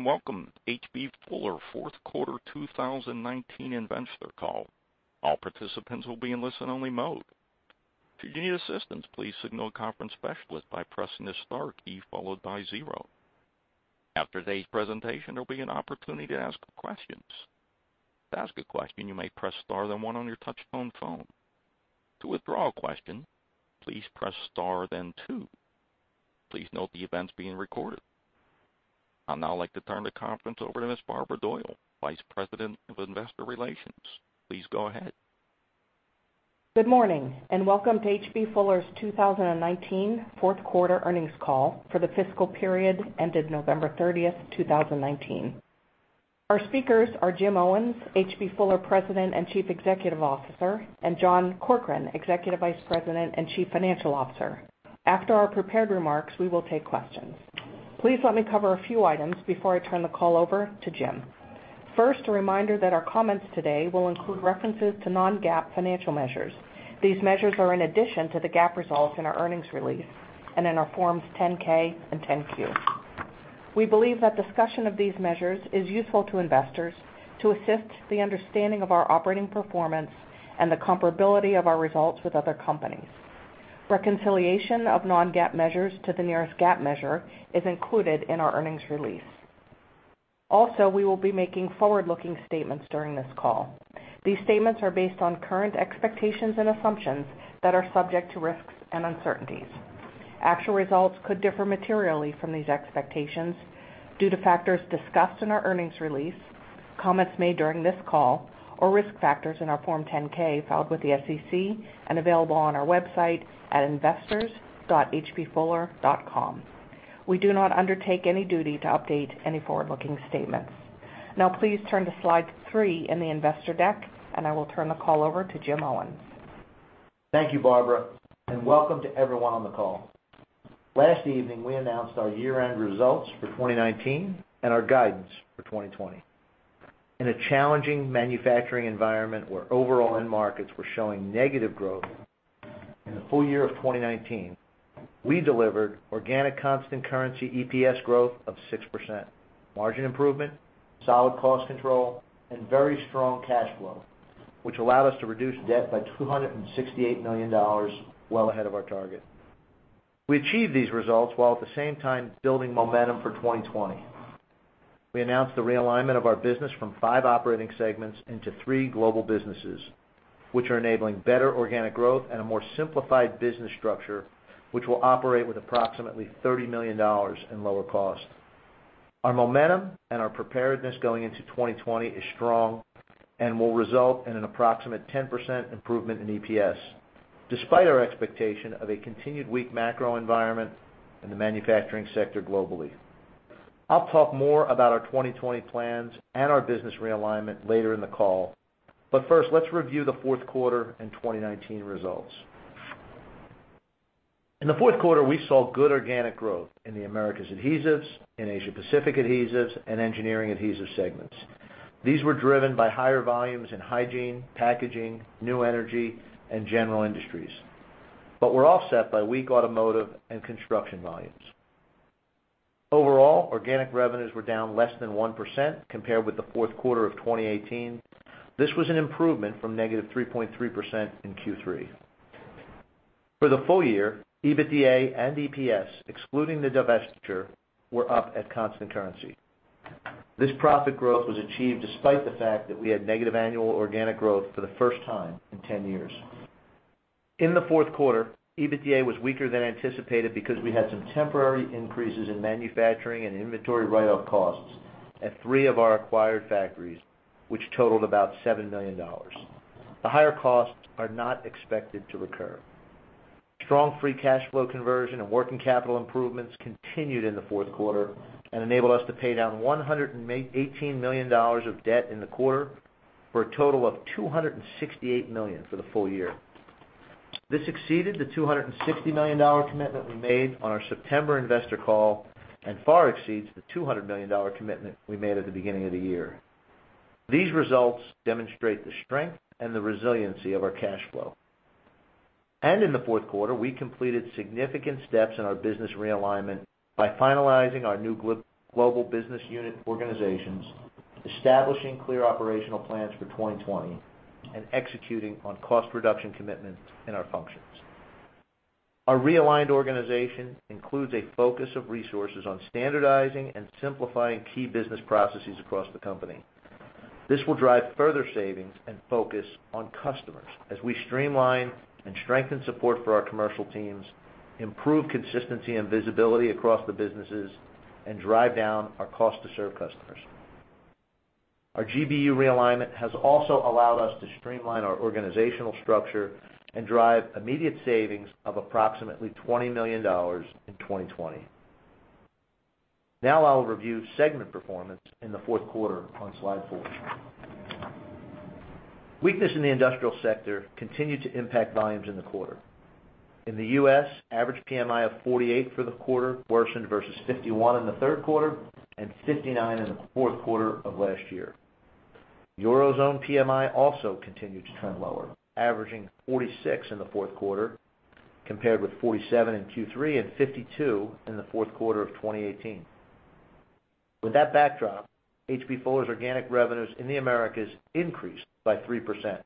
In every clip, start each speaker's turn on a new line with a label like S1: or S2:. S1: Good morning, and welcome to H.B. Fuller fourth quarter 2019 investor call. All participants will be in listen only mode. If you need assistance, please signal a conference specialist by pressing the star key followed by zero. After today's presentation, there'll be an opportunity to ask questions. To ask a question, you may press star then one on your touchtone phone. To withdraw a question, please press star then two. Please note the event is being recorded. I'd now like to turn the conference over to Ms. Barbara Doyle, Vice President of Investor Relations. Please go ahead.
S2: Good morning, and welcome to H.B. Fuller's 2019 fourth quarter earnings call for the fiscal period ended November 30th, 2019. Our speakers are Jim Owens, H.B. Fuller President and Chief Executive Officer, and John Corkrean, Executive Vice President and Chief Financial Officer. After our prepared remarks, we will take questions. Please let me cover a few items before I turn the call over to Jim. First, a reminder that our comments today will include references to non-GAAP financial measures. These measures are in addition to the GAAP results in our earnings release and in our Form 10-K and Form 10-Q. We believe that discussion of these measures is useful to investors to assist the understanding of our operating performance and the comparability of our results with other companies. Reconciliation of non-GAAP measures to the nearest GAAP measure is included in our earnings release. We will be making forward-looking statements during this call. These statements are based on current expectations and assumptions that are subject to risks and uncertainties. Actual results could differ materially from these expectations due to factors discussed in our earnings release, comments made during this call, or risk factors in our Form 10-K filed with the SEC and available on our website at investors.hbfuller.com. We do not undertake any duty to update any forward-looking statements. Please turn to slide three in the investor deck, and I will turn the call over to Jim Owens.
S3: Thank you, Barbara, and welcome to everyone on the call. Last evening, we announced our year-end results for 2019 and our guidance for 2020. In a challenging manufacturing environment where overall end markets were showing negative growth, in the full year of 2019, we delivered organic constant currency EPS growth of 6%, margin improvement, solid cost control, and very strong cash flow, which allowed us to reduce debt by $268 million, well ahead of our target. We achieved these results while at the same time building momentum for 2020. We announced the realignment of our business from 5 operating segments into three global businesses, which are enabling better organic growth and a more simplified business structure, which will operate with approximately $30 million in lower cost. Our momentum and our preparedness going into 2020 is strong and will result in an approximate 10% improvement in EPS, despite our expectation of a continued weak macro environment in the manufacturing sector globally. First, let's review the fourth quarter and 2019 results. In the fourth quarter, we saw good organic growth in the Americas Adhesives, in Asia Pacific Adhesives, and Engineering Adhesives segments. These were driven by higher volumes in hygiene, packaging, new energy, and general industries. These were offset by weak automotive and construction volumes. Overall, organic revenues were down less than 1% compared with the fourth quarter of 2018. This was an improvement from -3.3% in Q3. For the full year, EBITDA and EPS, excluding the divestiture, were up at constant currency. This profit growth was achieved despite the fact that we had negative annual organic growth for the first time in 10 years. In the fourth quarter, EBITDA was weaker than anticipated because we had some temporary increases in manufacturing and inventory write-off costs at three of our acquired factories, which totaled about $7 million. The higher costs are not expected to recur. Strong free cash flow conversion and working capital improvements continued in the fourth quarter and enabled us to pay down $118 million of debt in the quarter for a total of $268 million for the full year. This exceeded the $260 million commitment we made on our September investor call and far exceeds the $200 million commitment we made at the beginning of the year. These results demonstrate the strength and the resiliency of our cash flow. In the fourth quarter, we completed significant steps in our business realignment by finalizing our new Global Business Unit organizations, establishing clear operational plans for 2020, and executing on cost reduction commitments in our functions. Our realigned organization includes a focus of resources on standardizing and simplifying key business processes across the company. This will drive further savings and focus on customers as we streamline and strengthen support for our commercial teams, improve consistency and visibility across the businesses, and drive down our cost to serve customers. Our GBU realignment has also allowed us to streamline our organizational structure and drive immediate savings of approximately $20 million in 2020. I'll review segment performance in the fourth quarter on slide four. Weakness in the industrial sector continued to impact volumes in the quarter. In the U.S., average PMI of 48 for the quarter worsened versus 51 in the third quarter and 59 in the fourth quarter of last year. Eurozone PMI also continued to turn lower, averaging 46 in the fourth quarter, compared with 47 in Q3 and 52 in the fourth quarter of 2018. With that backdrop, H.B. Fuller's organic revenues in the Americas increased by 3%,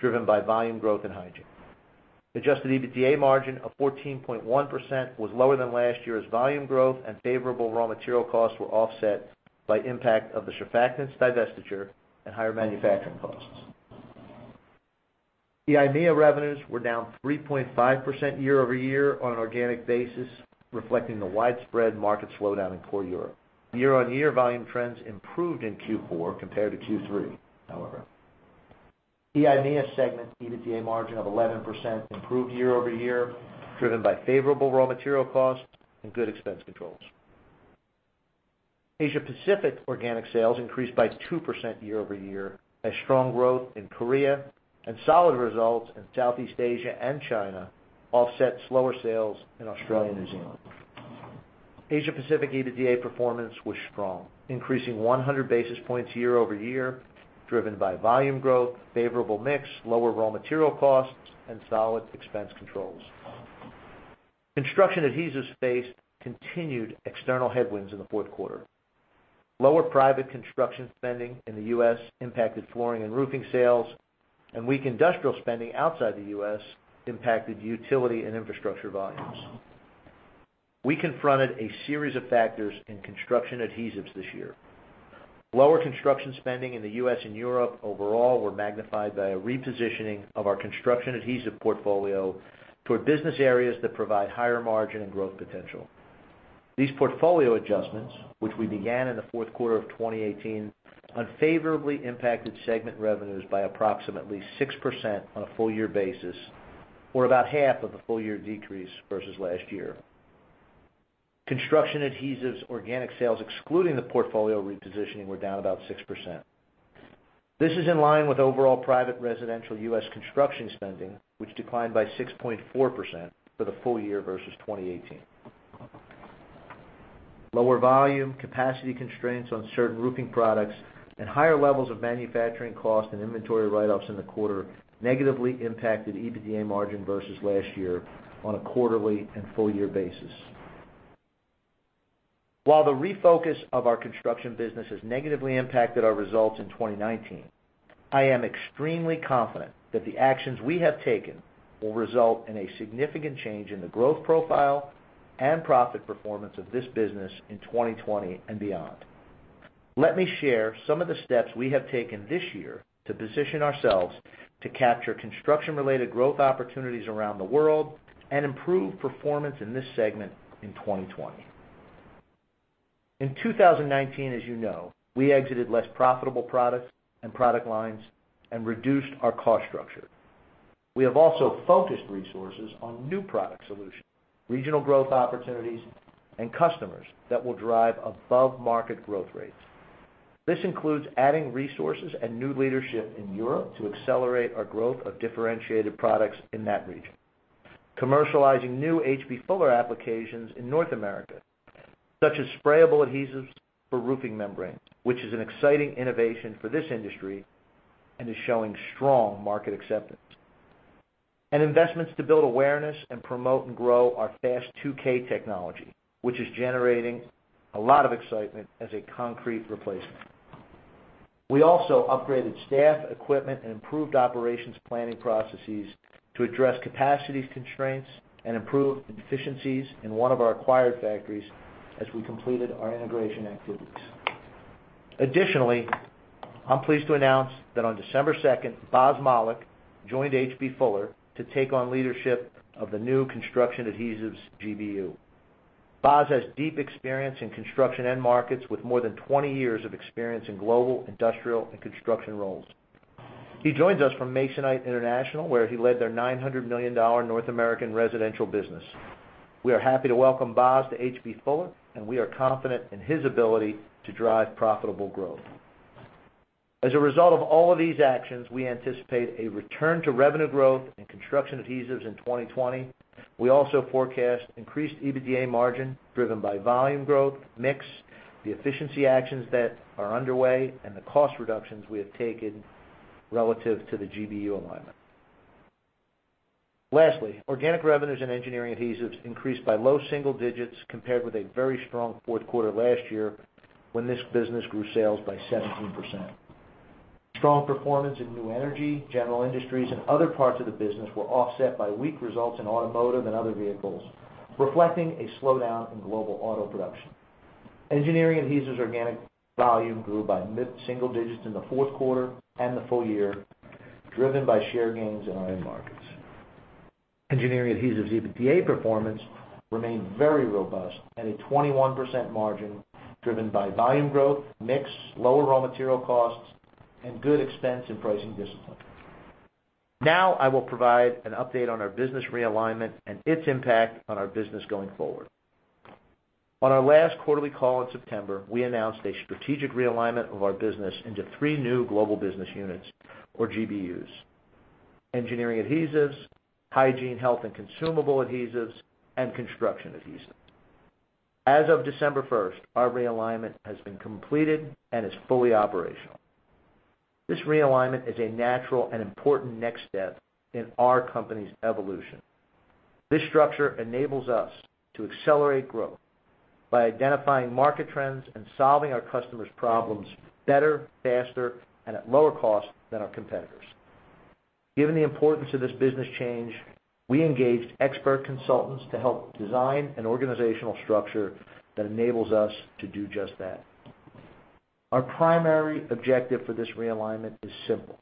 S3: driven by volume growth in hygiene. Adjusted EBITDA margin of 14.1% was lower than last year's volume growth, and favorable raw material costs were offset by impact of the surfactants divestiture and higher manufacturing costs. EIMEA revenues were down 3.5% year-over-year on an organic basis, reflecting the widespread market slowdown in core Europe. Year-on-year volume trends improved in Q4 compared to Q3, however. EIMEA segment EBITDA margin of 11% improved year-over-year, driven by favorable raw material costs and good expense controls. Asia-Pacific organic sales increased by 2% year-over-year as strong growth in Korea and solid results in Southeast Asia and China offset slower sales in Australia and New Zealand. Asia-Pacific EBITDA performance was strong, increasing 100 basis points year-over-year, driven by volume growth, favorable mix, lower raw material costs, and solid expense controls. Construction adhesives faced continued external headwinds in the fourth quarter. Lower private construction spending in the U.S. impacted flooring and roofing sales, and weak industrial spending outside the U.S. impacted utility and infrastructure volumes. We confronted a series of factors in construction adhesives this year. Lower construction spending in the U.S. and Europe overall were magnified by a repositioning of our construction adhesive portfolio toward business areas that provide higher margin and growth potential. These portfolio adjustments, which we began in the fourth quarter of 2018, unfavorably impacted segment revenues by approximately 6% on a full year basis, or about half of the full-year decrease versus last year. Construction adhesives organic sales, excluding the portfolio repositioning, were down about 6%. This is in line with overall private residential U.S. construction spending, which declined by 6.4% for the full year versus 2018. Lower volume capacity constraints on certain roofing products and higher levels of manufacturing costs and inventory write-offs in the quarter negatively impacted EBITDA margin versus last year on a quarterly and full year basis. While the refocus of our construction business has negatively impacted our results in 2019, I am extremely confident that the actions we have taken will result in a significant change in the growth profile and profit performance of this business in 2020 and beyond. Let me share some of the steps we have taken this year to position ourselves to capture construction related growth opportunities around the world and improve performance in this segment in 2020. In 2019, as you know, we exited less profitable products and product lines and reduced our cost structure. We have also focused resources on new product solutions, regional growth opportunities, and customers that will drive above-market growth rates. This includes adding resources and new leadership in Europe to accelerate our growth of differentiated products in that region. Commercializing new H.B. Fuller applications in North America, such as sprayable adhesives for roofing membrane, which is an exciting innovation for this industry and is showing strong market acceptance. Investments to build awareness and promote and grow our Fast 2K technology, which is generating a lot of excitement as a concrete replacement. We also upgraded staff, equipment, and improved operations planning processes to address capacity constraints and improve the efficiencies in one of our acquired factories as we completed our integration activities. I'm pleased to announce that on December 2nd, Boz Malik joined H.B. Fuller to take on leadership of the new construction adhesives GBU. Bas has deep experience in construction end markets, with more than 20 years of experience in global industrial and construction roles. He joins us from Masonite International, where he led their $900 million North American residential business. We are happy to welcome Bas to H.B. Fuller, and we are confident in his ability to drive profitable growth. We anticipate a return to revenue growth in construction adhesives in 2020. We also forecast increased EBITDA margin driven by volume growth, mix, the efficiency actions that are underway, and the cost reductions we have taken relative to the GBU alignment. Lastly, organic revenues and Engineering Adhesives increased by low single digits compared with a very strong fourth quarter last year when this business grew sales by 17%. Strong performance in new energy, general industries, and other parts of the business were offset by weak results in automotive and other vehicles, reflecting a slowdown in global auto production. Engineering Adhesives organic volume grew by mid single digits in the fourth quarter and the full year, driven by share gains in our end markets. Engineering Adhesives EBITDA performance remained very robust at a 21% margin, driven by volume growth, mix, lower raw material costs, and good expense and pricing discipline. I will provide an update on our business realignment and its impact on our business going forward. On our last quarterly call in September, we announced a strategic realignment of our business into three new Global Business Units, or GBUs, Engineering Adhesives, Hygiene, Health, and Consumable Adhesives, and Construction Adhesives. As of December 1st, our realignment has been completed and is fully operational. This realignment is a natural and important next step in our company's evolution. This structure enables us to accelerate growth by identifying market trends and solving our customers' problems better, faster, and at lower cost than our competitors. Given the importance of this business change, we engaged expert consultants to help design an organizational structure that enables us to do just that. Our primary objective for this realignment is simple.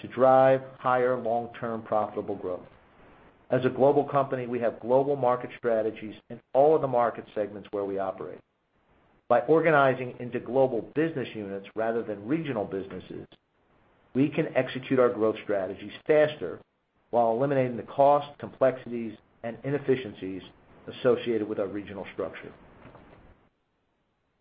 S3: To drive higher long-term profitable growth. As a global company, we have global market strategies in all of the market segments where we operate. By organizing into Global Business Units rather than regional businesses, we can execute our growth strategies faster while eliminating the cost, complexities, and inefficiencies associated with our regional structure.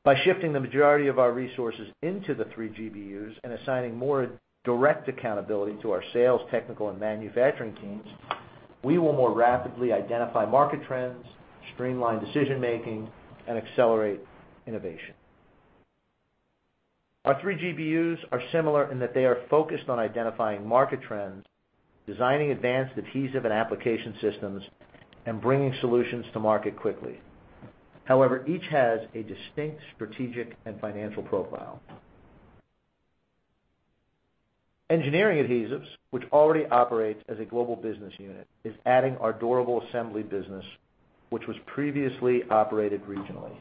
S3: By shifting the majority of our resources into the three GBUs and assigning more direct accountability to our sales, technical, and manufacturing teams, we will more rapidly identify market trends, streamline decision-making, and accelerate innovation. Our three GBUs are similar in that they are focused on identifying market trends, designing advanced adhesive and application systems, and bringing solutions to market quickly. However, each has a distinct strategic and financial profile. Engineering Adhesives, which already operates as a Global Business Unit, is adding our Durable Assembly business, which was previously operated regionally.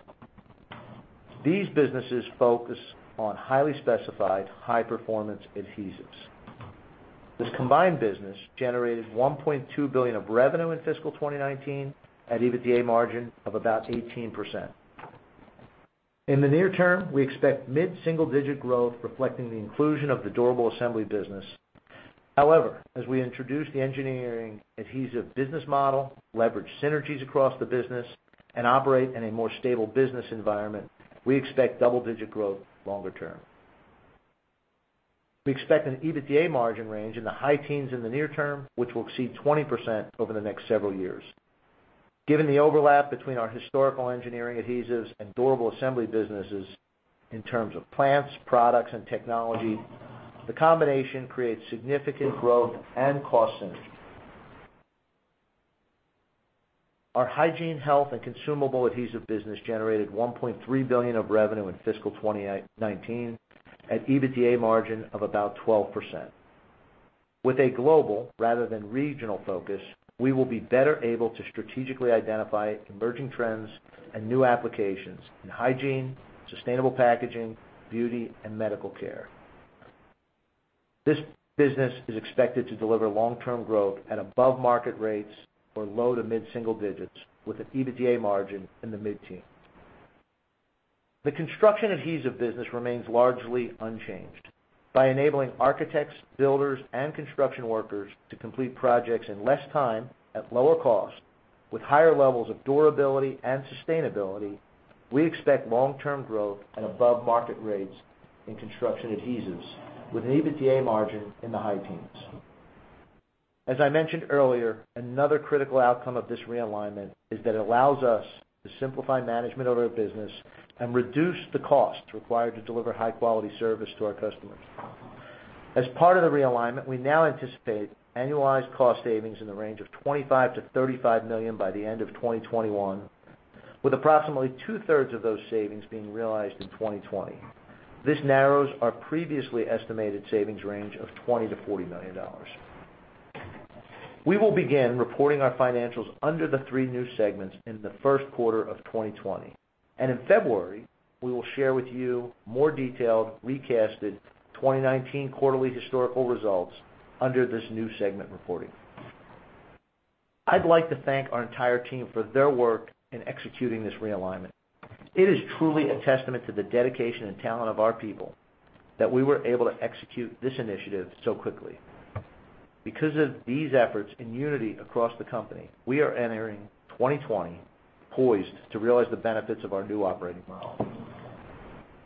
S3: These businesses focus on highly specified high-performance adhesives. This combined business generated $1.2 billion of revenue in fiscal 2019 at EBITDA margin of about 18%. In the near term, we expect mid-single-digit growth reflecting the inclusion of the Durable Assembly business. However, as we introduce the Engineering Adhesives business model, leverage synergies across the business, and operate in a more stable business environment, we expect double-digit growth longer term. We expect an EBITDA margin range in the high teens in the near term, which will exceed 20% over the next several years. Given the overlap between our historical Engineering Adhesives and Durable Assembly businesses in terms of plants, products, and technology, the combination creates significant growth and cost synergies. Our Hygiene, Health, and Consumable Adhesive business generated $1.3 billion of revenue in fiscal 2019 at EBITDA margin of about 12%. With a global rather than regional focus, we will be better able to strategically identify emerging trends and new applications in hygiene, sustainable packaging, beauty, and medical care. This business is expected to deliver long-term growth at above market rates or low to mid-single digits with an EBITDA margin in the mid-teens. The construction adhesive business remains largely unchanged. By enabling architects, builders, and construction workers to complete projects in less time at lower cost with higher levels of durability and sustainability, we expect long-term growth at above market rates in construction adhesives with an EBITDA margin in the high teens. As I mentioned earlier, another critical outcome of this realignment is that it allows us to simplify management of our business and reduce the cost required to deliver high-quality service to our customers. As part of the realignment, we now anticipate annualized cost savings in the range of $25 million-$35 million by the end of 2021, with approximately two-thirds of those savings being realized in 2020. This narrows our previously estimated savings range of $20 million-$40 million. We will begin reporting our financials under the three new segments in the first quarter of 2020. In February, we will share with you more detailed, recasted 2019 quarterly historical results under this new segment reporting. I'd like to thank our entire team for their work in executing this realignment. It is truly a testament to the dedication and talent of our people that we were able to execute this initiative so quickly. Because of these efforts and unity across the company, we are entering 2020 poised to realize the benefits of our new operating model.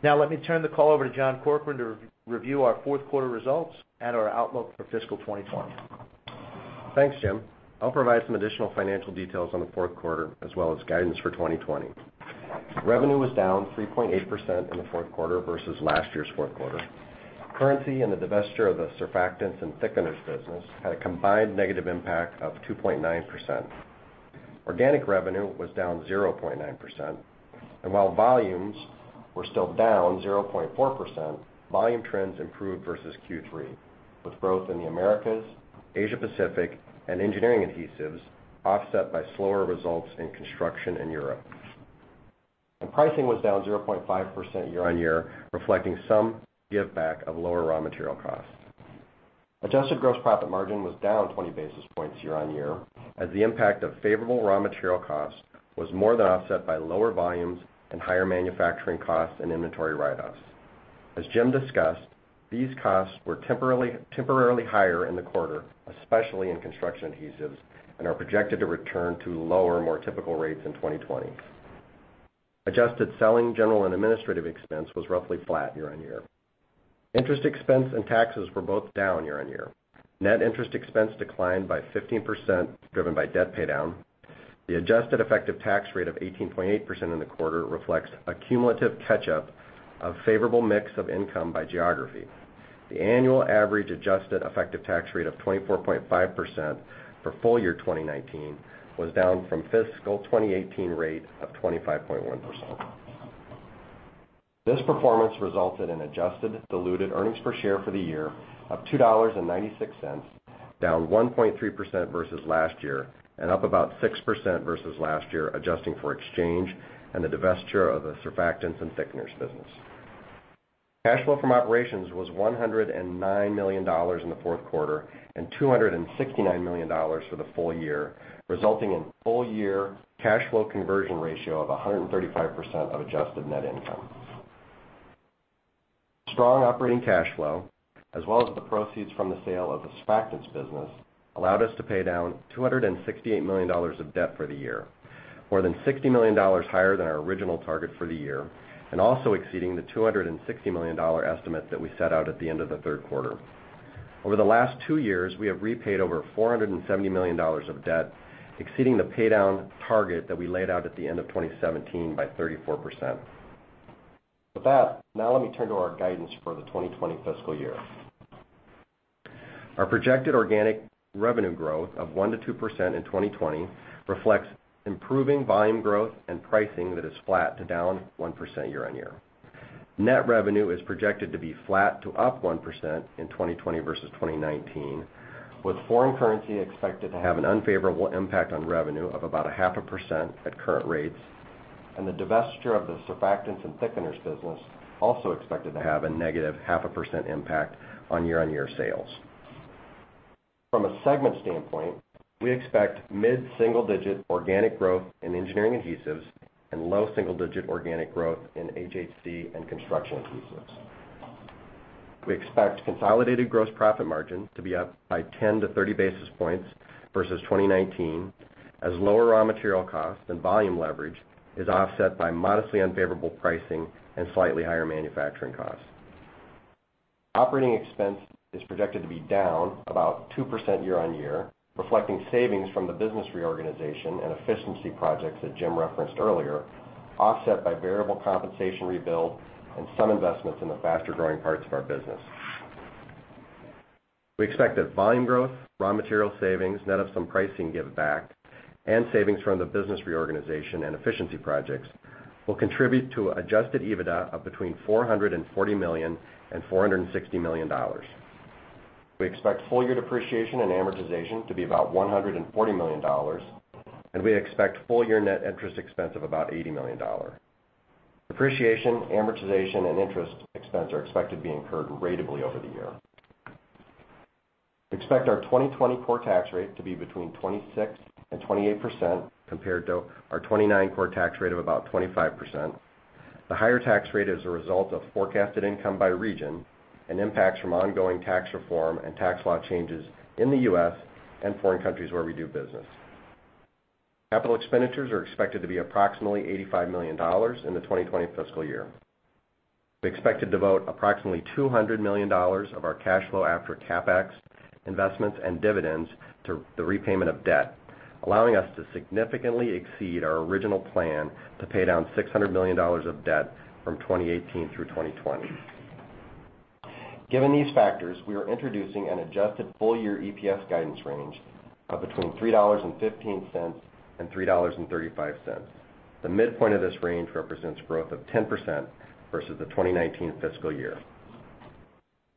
S3: Let me turn the call over to John Corkrean to review our fourth quarter results and our outlook for fiscal 2020.
S4: Thanks, Jim. I'll provide some additional financial details on the fourth quarter as well as guidance for 2020. Revenue was down 3.8% in the fourth quarter versus last year's fourth quarter. Currency and the divesture of the surfactants and thickeners business had a combined negative impact of 2.9%. Organic revenue was down 0.9%, while volumes were still down 0.4%, volume trends improved versus Q3, with growth in the Americas, Asia Pacific, and Engineering Adhesives offset by slower results in construction in Europe. Pricing was down 0.5% year-on-year, reflecting some giveback of lower raw material costs. Adjusted gross profit margin was down 20 basis points year-on-year, as the impact of favorable raw material costs was more than offset by lower volumes and higher manufacturing costs and inventory write-offs. As Jim discussed, these costs were temporarily higher in the quarter, especially in construction adhesives, and are projected to return to lower, more typical rates in 2020. Adjusted selling, general, and administrative expense was roughly flat year-on-year. Interest expense and taxes were both down year-on-year. Net interest expense declined by 15%, driven by debt paydown. The adjusted effective tax rate of 18.8% in the quarter reflects a cumulative catch-up of favorable mix of income by geography. The annual average adjusted effective tax rate of 24.5% for full year 2019 was down from fiscal 2018 rate of 25.1%. This performance resulted in adjusted diluted earnings per share for the year of $2.96, down 1.3% versus last year, and up about 6% versus last year, adjusting for exchange and the divestiture of the surfactants and thickeners business. Cash flow from operations was $109 million in the fourth quarter and $269 million for the full year, resulting in full year cash flow conversion ratio of 135% of adjusted net income. Strong operating cash flow, as well as the proceeds from the sale of the surfactants business, allowed us to pay down $268 million of debt for the year, more than $60 million higher than our original target for the year, and also exceeding the $260 million estimate that we set out at the end of the third quarter. Over the last two years, we have repaid over $470 million of debt, exceeding the paydown target that we laid out at the end of 2017 by 34%. With that, now let me turn to our guidance for the 2020 fiscal year. Our projected organic revenue growth of 1%-2% in 2020 reflects improving volume growth and pricing that is flat to down 1% year-on-year. Net revenue is projected to be flat to up 1% in 2020 versus 2019, with foreign currency expected to have an unfavorable impact on revenue of about a half a percent at current rates, and the divestiture of the surfactants and thickeners business also expected to have a negative half a percent impact on year-on-year sales. From a segment standpoint, we expect mid-single digit organic growth in Engineering Adhesives and low single digit organic growth in HHC and construction adhesives. We expect consolidated gross profit margin to be up by 10-30 basis points versus 2019, as lower raw material costs and volume leverage is offset by modestly unfavorable pricing and slightly higher manufacturing costs. Operating expense is projected to be down about 2% year-on-year, reflecting savings from the business reorganization and efficiency projects that Jim referenced earlier, offset by variable compensation rebuild and some investments in the faster-growing parts of our business. We expect that volume growth, raw material savings, net of some pricing give back, and savings from the business reorganization and efficiency projects will contribute to adjusted EBITDA of between $440 million and $460 million. We expect full year depreciation and amortization to be about $140 million. We expect full year net interest expense of about $80 million. Depreciation, amortization, and interest expense are expected to be incurred ratably over the year. We expect our 2020 core tax rate to be between 26% and 28%, compared to our 2019 core tax rate of about 25%. The higher tax rate is a result of forecasted income by region and impacts from ongoing tax reform and tax law changes in the U.S. and foreign countries where we do business. Capital expenditures are expected to be approximately $85 million in the 2020 fiscal year. We expect to devote approximately $200 million of our cash flow after CapEx, investments, and dividends to the repayment of debt, allowing us to significantly exceed our original plan to pay down $600 million of debt from 2018 through 2020. Given these factors, we are introducing an adjusted full year EPS guidance range of between $3.15 and $3.35. The midpoint of this range represents growth of 10% versus the 2019 fiscal year.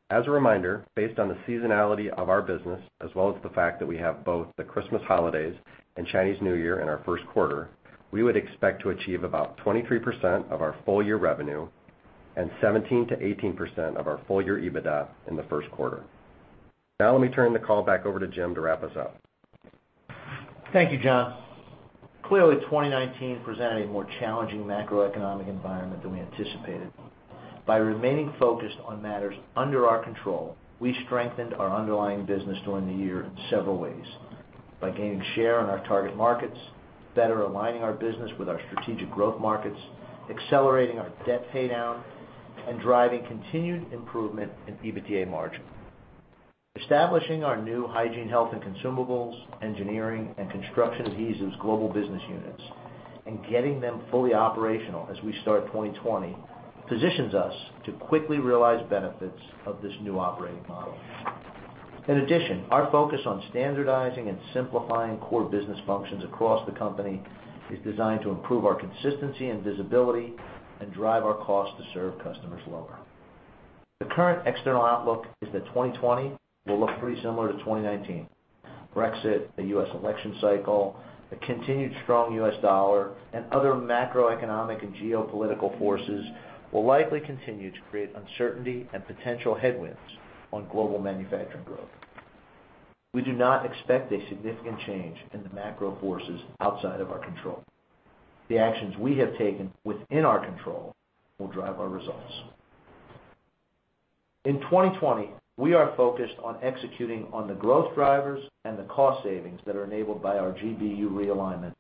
S4: As a reminder, based on the seasonality of our business, as well as the fact that we have both the Christmas holidays and Chinese New Year in our first quarter, we would expect to achieve about 23% of our full year revenue and 17%-18% of our full year EBITDA in the first quarter. Let me turn the call back over to Jim to wrap us up.
S3: Thank you, John. Clearly, 2019 presented a more challenging macroeconomic environment than we anticipated. By remaining focused on matters under our control, we strengthened our underlying business during the year in several ways, by gaining share in our target markets, better aligning our business with our strategic growth markets, accelerating our debt paydown, and driving continued improvement in EBITDA margin. Establishing our new Hygiene, Health, and Consumables, Engineering, and Construction Adhesives Global Business Units and getting them fully operational as we start 2020 positions us to quickly realize benefits of this new operating model. Our focus on standardizing and simplifying core business functions across the company is designed to improve our consistency and visibility and drive our cost to serve customers lower. The current external outlook is that 2020 will look pretty similar to 2019. Brexit, the U.S. election cycle, the continued strong U.S. dollar, other macroeconomic and geopolitical forces will likely continue to create uncertainty and potential headwinds on global manufacturing growth. We do not expect a significant change in the macro forces outside of our control. The actions we have taken within our control will drive our results. In 2020, we are focused on executing on the growth drivers and the cost savings that are enabled by our GBU realignment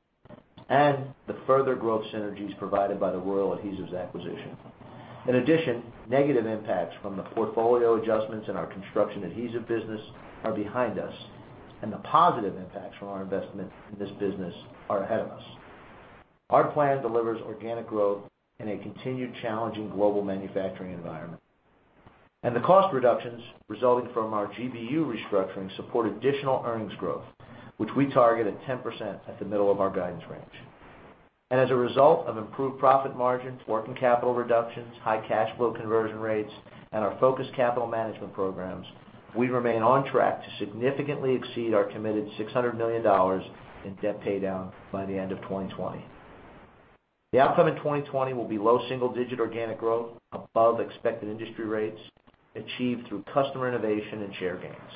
S3: and the further growth synergies provided by the Royal Adhesives acquisition. In addition, negative impacts from the portfolio adjustments in our construction adhesive business are behind us, and the positive impacts from our investment in this business are ahead of us. Our plan delivers organic growth in a continued challenging global manufacturing environment. The cost reductions resulting from our GBU restructuring support additional earnings growth, which we target at 10% at the middle of our guidance range. As a result of improved profit margins, working capital reductions, high cash flow conversion rates, and our focused capital management programs, we remain on track to significantly exceed our committed $600 million in debt paydown by the end of 2020. The outcome in 2020 will be low single-digit organic growth above expected industry rates, achieved through customer innovation and share gains.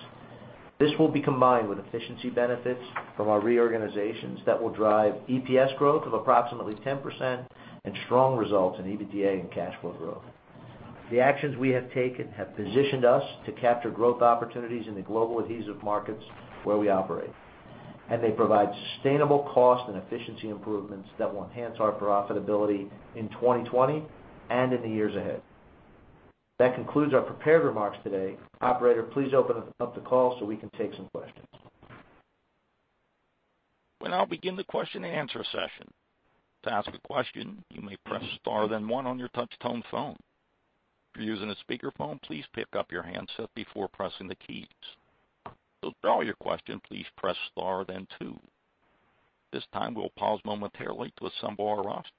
S3: This will be combined with efficiency benefits from our reorganizations that will drive EPS growth of approximately 10% and strong results in EBITDA and cash flow growth. The actions we have taken have positioned us to capture growth opportunities in the global adhesive markets where we operate. They provide sustainable cost and efficiency improvements that will enhance our profitability in 2020 and in the years ahead. That concludes our prepared remarks today. Operator, please open up the call so we can take some questions.
S1: We now begin the question-and-answer session. To ask a question, you may press star then one on your touch-tone phone. If you're using a speakerphone, please pick up your handset before pressing the keys. To withdraw your question, please press star then two. At this time, we'll pause momentarily to assemble our roster.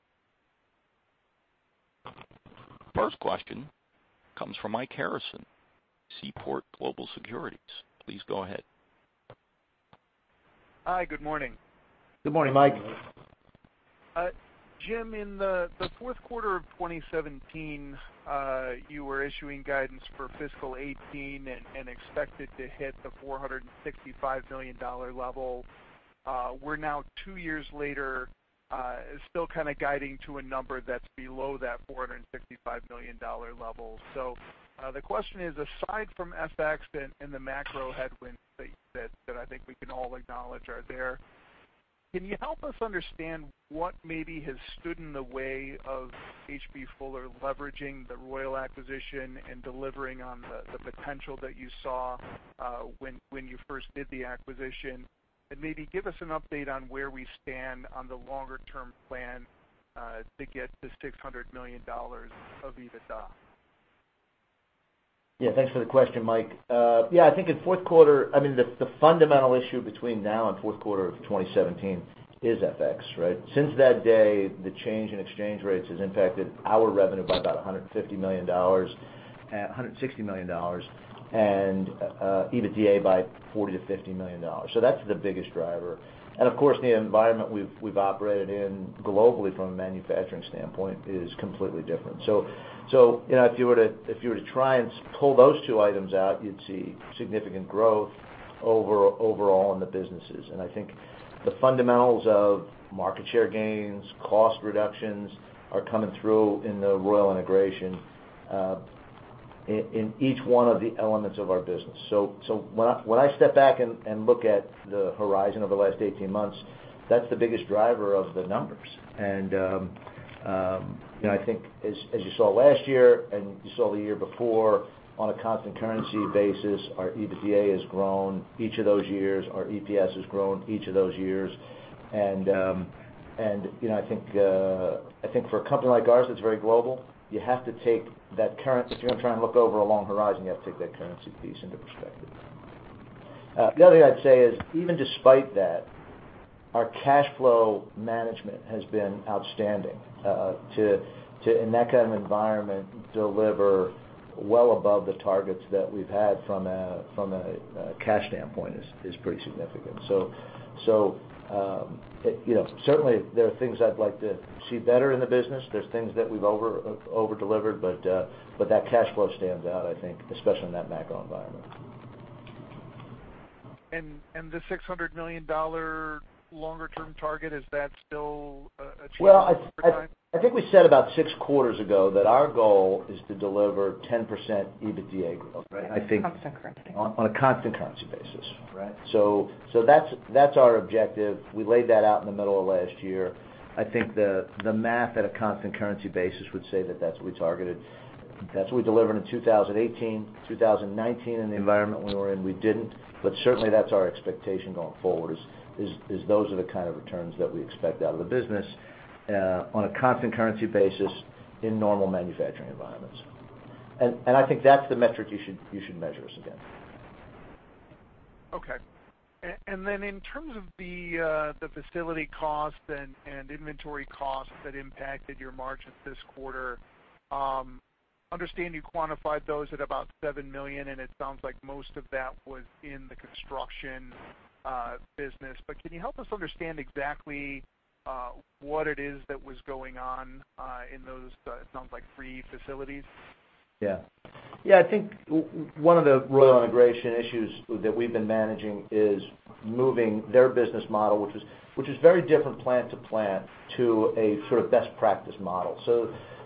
S1: First question comes from Mike Harrison, Seaport Global Securities. Please go ahead.
S5: Hi, good morning.
S3: Good morning, Mike.
S5: Jim, in the fourth quarter of 2017, you were issuing guidance for fiscal 2018 and expected to hit the $465 million level. We're now two years later, still kind of guiding to a number that's below that $465 million level. The question is, aside from FX and the macro headwinds that I think we can all acknowledge are there, can you help us understand what maybe has stood in the way of H.B. Fuller leveraging the Royal acquisition and delivering on the potential that you saw when you first did the acquisition? Maybe give us an update on where we stand on the longer-term plan to get to $600 million of EBITDA.
S3: Thanks for the question, Mike. I think in fourth quarter, the fundamental issue between now and fourth quarter of 2017 is FX, right? Since that day, the change in exchange rates has impacted our revenue by about $150 million, $160 million, and EBITDA by $40 million-$50 million. That's the biggest driver. Of course, the environment we've operated in globally from a manufacturing standpoint is completely different. If you were to try and pull those two items out, you'd see significant growth overall in the businesses. I think the fundamentals of market share gains, cost reductions, are coming through in the Royal integration in each one of the elements of our business. When I step back and look at the horizon over the last 18 months, that's the biggest driver of the numbers. I think as you saw last year and you saw the year before, on a constant currency basis, our EBITDA has grown each of those years, our EPS has grown each of those years. I think for a company like ours that's very global, if you're going to try and look over a long horizon, you have to take that currency piece into perspective. The other thing I'd say is, even despite that, our cash flow management has been outstanding. To in that kind of environment, deliver well above the targets that we've had from a cash standpoint is pretty significant. Certainly, there are things I'd like to see better in the business. There's things that we've over-delivered, but that cash flow stands out, I think, especially in that macro environment.
S5: The $600 million longer-term target, is that still a target over time?
S3: Well, I think we said about six quarters ago that our goal is to deliver 10% EBITDA growth, right? On a constant currency basis, right? That's our objective. We laid that out in the middle of last year. I think the math at a constant currency basis would say that that's what we targeted. That's what we delivered in 2018. 2019, in the environment we were in, we didn't. Certainly, that's our expectation going forward, is those are the kind of returns that we expect out of the business on a constant currency basis in normal manufacturing environments. I think that's the metric you should measure us against.
S5: Okay. In terms of the facility cost and inventory costs that impacted your margins this quarter, I understand you quantified those at about $7 million, and it sounds like most of that was in the construction business. Can you help us understand exactly what it is that was going on in those, it sounds like, three facilities?
S3: Yeah. I think one of the Royal integration issues that we've been managing is moving their business model, which is very different plant to plant, to a sort of best practice model.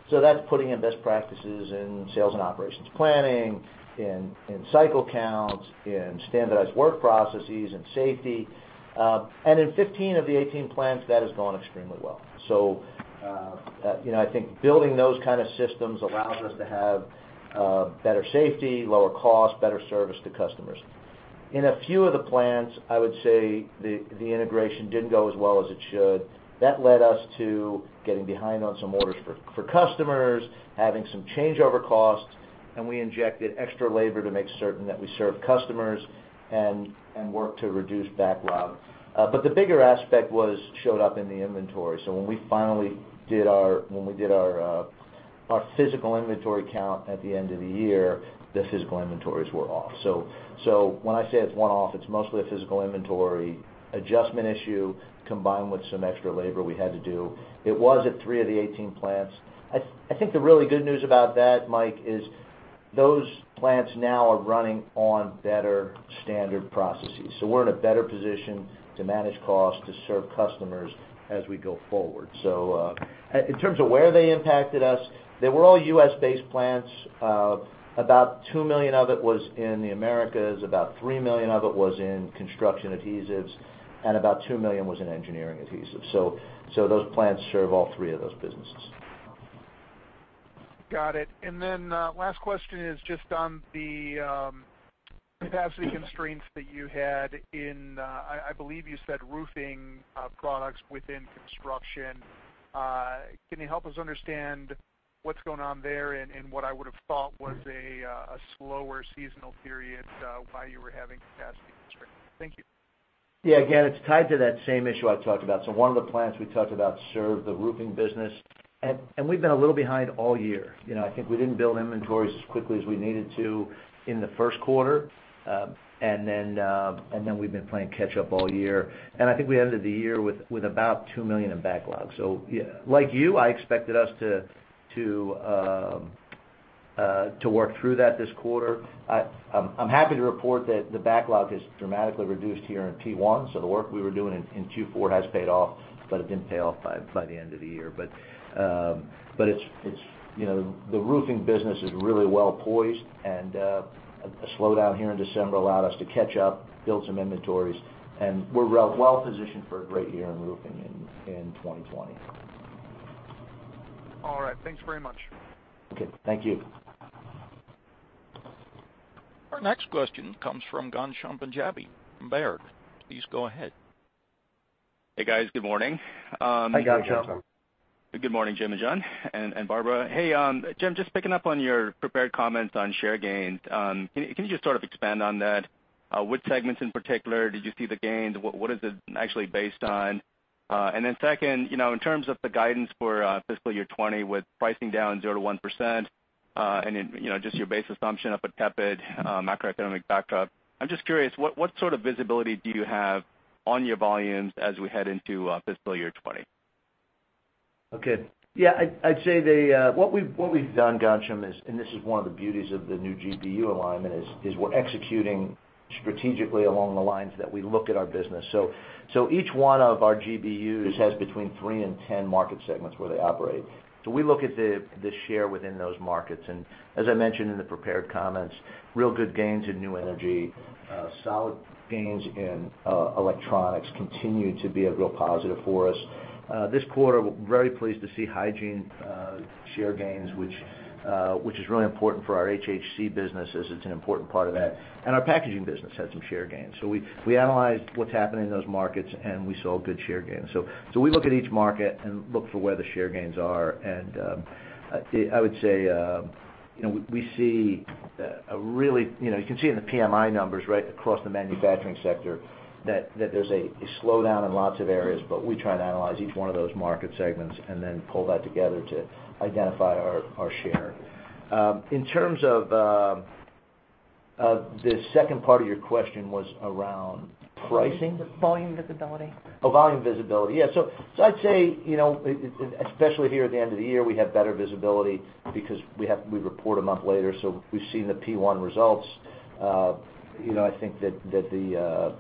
S3: That's putting in best practices in sales and operations planning, in cycle counts, in standardized work processes, in safety. In 15 of the 18 plants, that has gone extremely well. I think building those kind of systems allows us to have better safety, lower cost, better service to customers. In a few of the plants, I would say the integration didn't go as well as it should. That led us to getting behind on some orders for customers, having some changeover costs, and we injected extra labor to make certain that we serve customers and work to reduce backlog. The bigger aspect showed up in the inventory. When we finally did our physical inventory count at the end of the year, the physical inventories were off. When I say it's one-off, it's mostly a physical inventory adjustment issue combined with some extra labor we had to do. It was at three of the 18 plants. I think the really good news about that, Mike, is those plants now are running on better standard processes. We're in a better position to manage costs, to serve customers as we go forward. In terms of where they impacted us, they were all U.S. based plants. About $2 million of it was in the Americas, about $3 million of it was in Construction Adhesives, and about $2 million was in Engineering Adhesives. Those plants serve all three of those businesses.
S5: Got it. Last question is just on the capacity constraints that you had in, I believe you said roofing products within construction. Can you help us understand what's going on there in what I would have thought was a slower seasonal period, why you were having capacity constraints? Thank you.
S3: Again, it's tied to that same issue I talked about. One of the plants we talked about served the roofing business. We've been a little behind all year. I think we didn't build inventories as quickly as we needed to in the first quarter. We've been playing catch up all year. I think we ended the year with about $2 million in backlog. Like you, I expected us to work through that this quarter. I'm happy to report that the backlog has dramatically reduced here in Q1. The work we were doing in Q4 has paid off, it didn't pay off by the end of the year. The roofing business is really well poised and a slowdown here in December allowed us to catch up, build some inventories, and we're well-positioned for a great year in roofing in 2020.
S5: All right. Thanks very much.
S3: Okay. Thank you.
S1: Our next question comes from Ghansham Panjabi from Baird. Please go ahead.
S6: Hey, guys. Good morning.
S3: Hi, Ghansham.
S4: Hi, Ghansham.
S6: Good morning, Jim and John and Barbara. Hey, Jim, just picking up on your prepared comments on share gains. Can you just sort of expand on that? Which segments in particular did you see the gains? What is it actually based on? Second, in terms of the guidance for fiscal year 2020 with pricing down 0% to 1% and in just your base assumption of a tepid macroeconomic backdrop, I'm just curious, what sort of visibility do you have on your volumes as we head into fiscal year 2020?
S3: Okay. Yeah, I'd say what we've done, Ghansham, is, and this is one of the beauties of the new GBU alignment, is we're executing strategically along the lines that we look at our business. Each one of our GBUs has between three and 10 market segments where they operate. We look at the share within those markets, and as I mentioned in the prepared comments, real good gains in new energy, solid gains in electronics continue to be a real positive for us. This quarter, we're very pleased to see hygiene share gains, which is really important for our HHC business as it's an important part of that. Our packaging business had some share gains. We analyzed what's happening in those markets, and we saw good share gains. We look at each market and look for where the share gains are, and I would say, you can see in the PMI numbers right across the manufacturing sector that there's a slowdown in lots of areas, but we try to analyze each one of those market segments and then pull that together to identify our share. In terms of the second part of your question was around pricing.
S2: Volume visibility.
S3: Volume visibility. Yeah. I'd say, especially here at the end of the year, we have better visibility because we report a month later, so we've seen the P1 results. I think that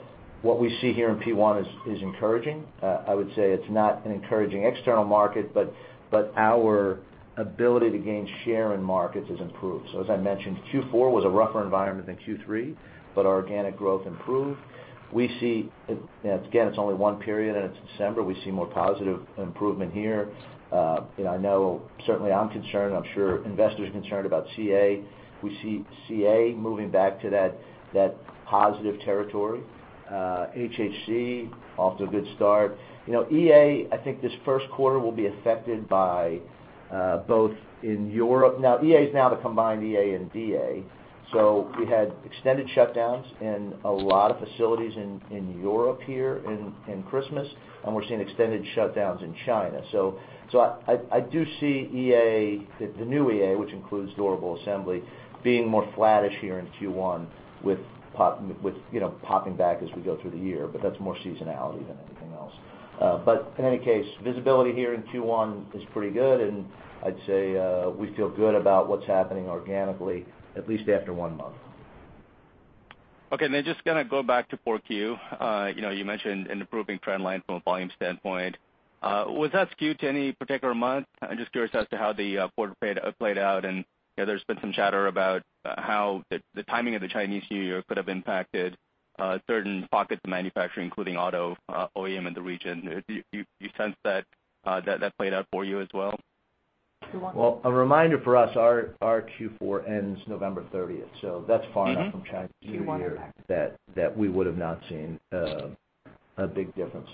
S3: what we see here in P1 is encouraging. I would say it's not an encouraging external market, our ability to gain share in markets is improved. As I mentioned, Q4 was a rougher environment than Q3, our organic growth improved. Again, it's only one period and it's December. We see more positive improvement here. I know, certainly I'm concerned, I'm sure investors are concerned about CA. We see CA moving back to that positive territory. HHC, off to a good start. EA, I think this first quarter will be affected by both in Europe. EA is now the combined EA and DA. We had extended shutdowns in a lot of facilities in Europe here in Christmas, and we're seeing extended shutdowns in China. I do see EA, the new EA, which includes Durable Assembly, being more flattish here in Q1 with popping back as we go through the year. That's more seasonality than anything else. In any case, visibility here in Q1 is pretty good, and I'd say, we feel good about what's happening organically, at least after one month.
S6: Okay. Just going to go back to 4Q. You mentioned an improving trend line from a volume standpoint. Was that skewed to any particular month? I'm just curious as to how the quarter played out, and there's been some chatter about how the timing of the Chinese New Year could have impacted certain pockets of manufacturing, including auto OEM in the region. Do you sense that played out for you as well?
S3: Well, a reminder for us, our Q4 ends November 30th, that's far enough from Chinese New Year-
S2: Q1 impact
S3: that we would have not seen a big difference.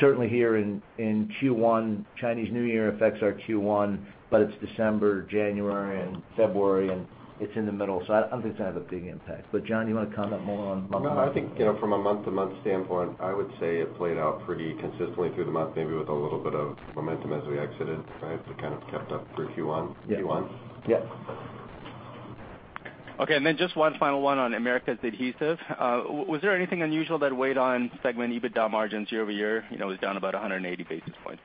S3: Certainly here in Q1, Chinese New Year affects our Q1, but it's December, January, and February, and it's in the middle, so I don't think it's going to have a big impact. John, you want to comment more on month-to-month?
S4: No, I think, from a month-to-month standpoint, I would say it played out pretty consistently through the month, maybe with a little bit of momentum as we exited. It kind of kept up through Q1.
S3: Yeah.
S6: Okay, just one final one on Americas Adhesives. Was there anything unusual that weighed on segment EBITDA margins year-over-year? It was down about 180 basis points.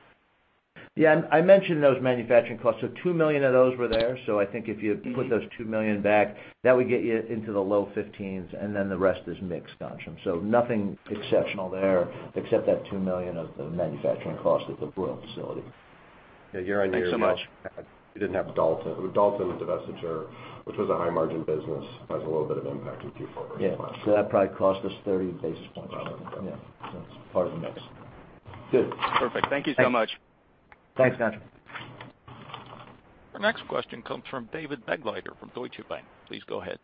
S3: Yeah, I mentioned those manufacturing costs. $2 million of those were there. I think if you put those $2 million back, that would get you into the low 15s, and then the rest is mix, Ghansham. Nothing exceptional there except that $2 million of the manufacturing cost at the Royal facility.
S4: Yeah, year-on-year
S6: Thanks so much.
S4: we didn't have Dalton. Dalton was the mainstay, which was a high margin business. It has a little bit of impact in Q4.
S3: Yeah. That probably cost us 30 basis points.
S4: About that, yeah.
S3: Yeah. It's part of the mix. Good.
S6: Perfect. Thank you so much.
S3: Thanks, Ghansham.
S1: Our next question comes from David Begleiter from Deutsche Bank. Please go ahead.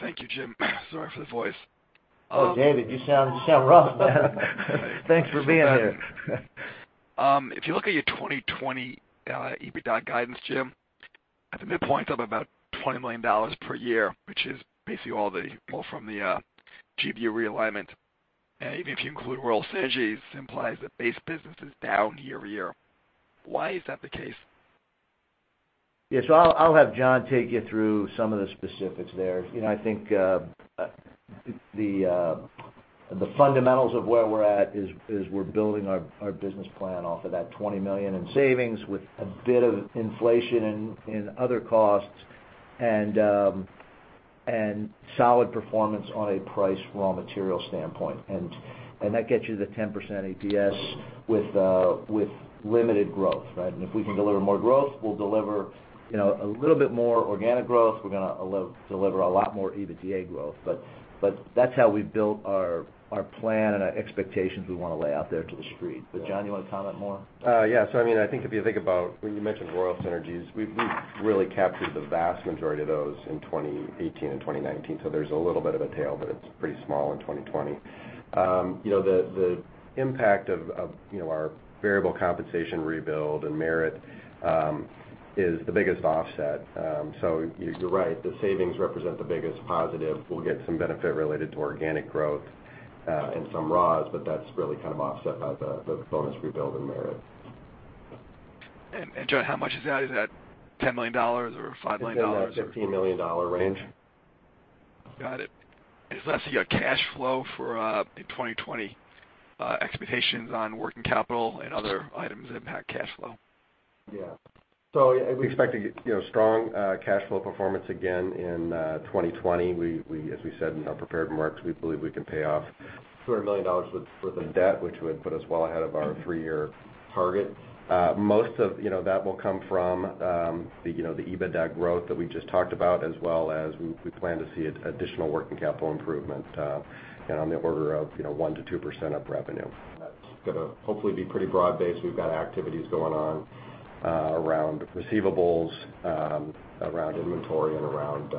S7: Thank you, Jim. Sorry for the voice.
S3: David, you sound rough, man. Thanks for being here.
S7: If you look at your 2020 EBITDA guidance, Jim, I think that points up about $20 million per year, which is basically all from the GBU realignment. Even if you include Royal Synergies, this implies that base business is down year-over-year. Why is that the case?
S3: I'll have John take you through some of the specifics there. I think the fundamentals of where we're at is we're building our business plan off of that $20 million in savings with a bit of inflation in other costs and solid performance on a price raw material standpoint. That gets you to 10% EPS with limited growth. If we can deliver more growth, we'll deliver a little bit more organic growth. We're going to deliver a lot more EBITDA growth. That's how we built our plan and our expectations we want to lay out there to the street. John, you want to comment more?
S4: Yeah. I think if you think about when you mentioned Royal Synergies, we've really captured the vast majority of those in 2018 and 2019. There's a little bit of a tail, but it's pretty small in 2020. The impact of our variable compensation rebuild and merit is the biggest offset. You're right, the savings represent the biggest positive. We'll get some benefit related to organic growth and some raws, but that's really kind of offset by the bonus rebuild and merit.
S7: John, how much is that? Is that $10 million or $5 million?
S4: It's in that $15 million range.
S7: Got it. Lastly, cash flow for 2020 expectations on working capital and other items that impact cash flow.
S4: Yeah. We expect to get strong cash flow performance again in 2020. As we said in our prepared remarks, we believe we can pay off $400 million worth of debt, which would put us well ahead of our three-year target. Most of that will come from the EBITDA growth that we just talked about, as well as we plan to see additional working capital improvement on the order of 1%-2% of revenue. That's going to hopefully be pretty broad-based. We've got activities going on around receivables, around inventory, and around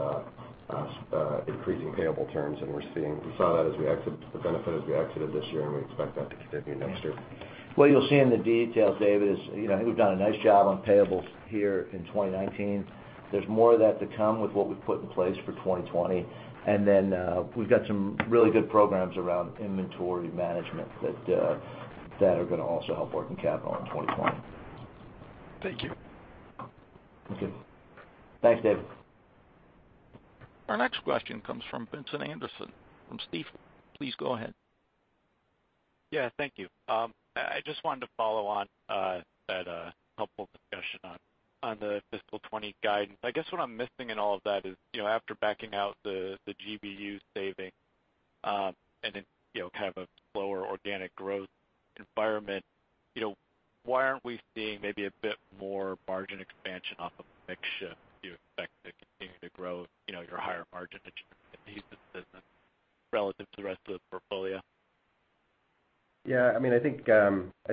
S4: increasing payable terms, and we saw the benefit as we exited this year, and we expect that to continue next year.
S3: What you'll see in the details, David, is I think we've done a nice job on payables here in 2019. There's more of that to come with what we've put in place for 2020. We've got some really good programs around inventory management that are going to also help working capital in 2020.
S7: Thank you.
S3: Okay. Thanks, David.
S1: Our next question comes from Vincent Anderson from Stifel. Please go ahead.
S8: Yeah, thank you. I just wanted to follow on that helpful discussion on the fiscal 2020 guidance. I guess what I'm missing in all of that is, after backing out the GBU saving, and in kind of a slower organic growth environment, why aren't we seeing maybe a bit more margin expansion off of the mix shift? Do you expect to continue to grow your higher margin Adhesives business relative to the rest of the portfolio?
S4: Yeah, I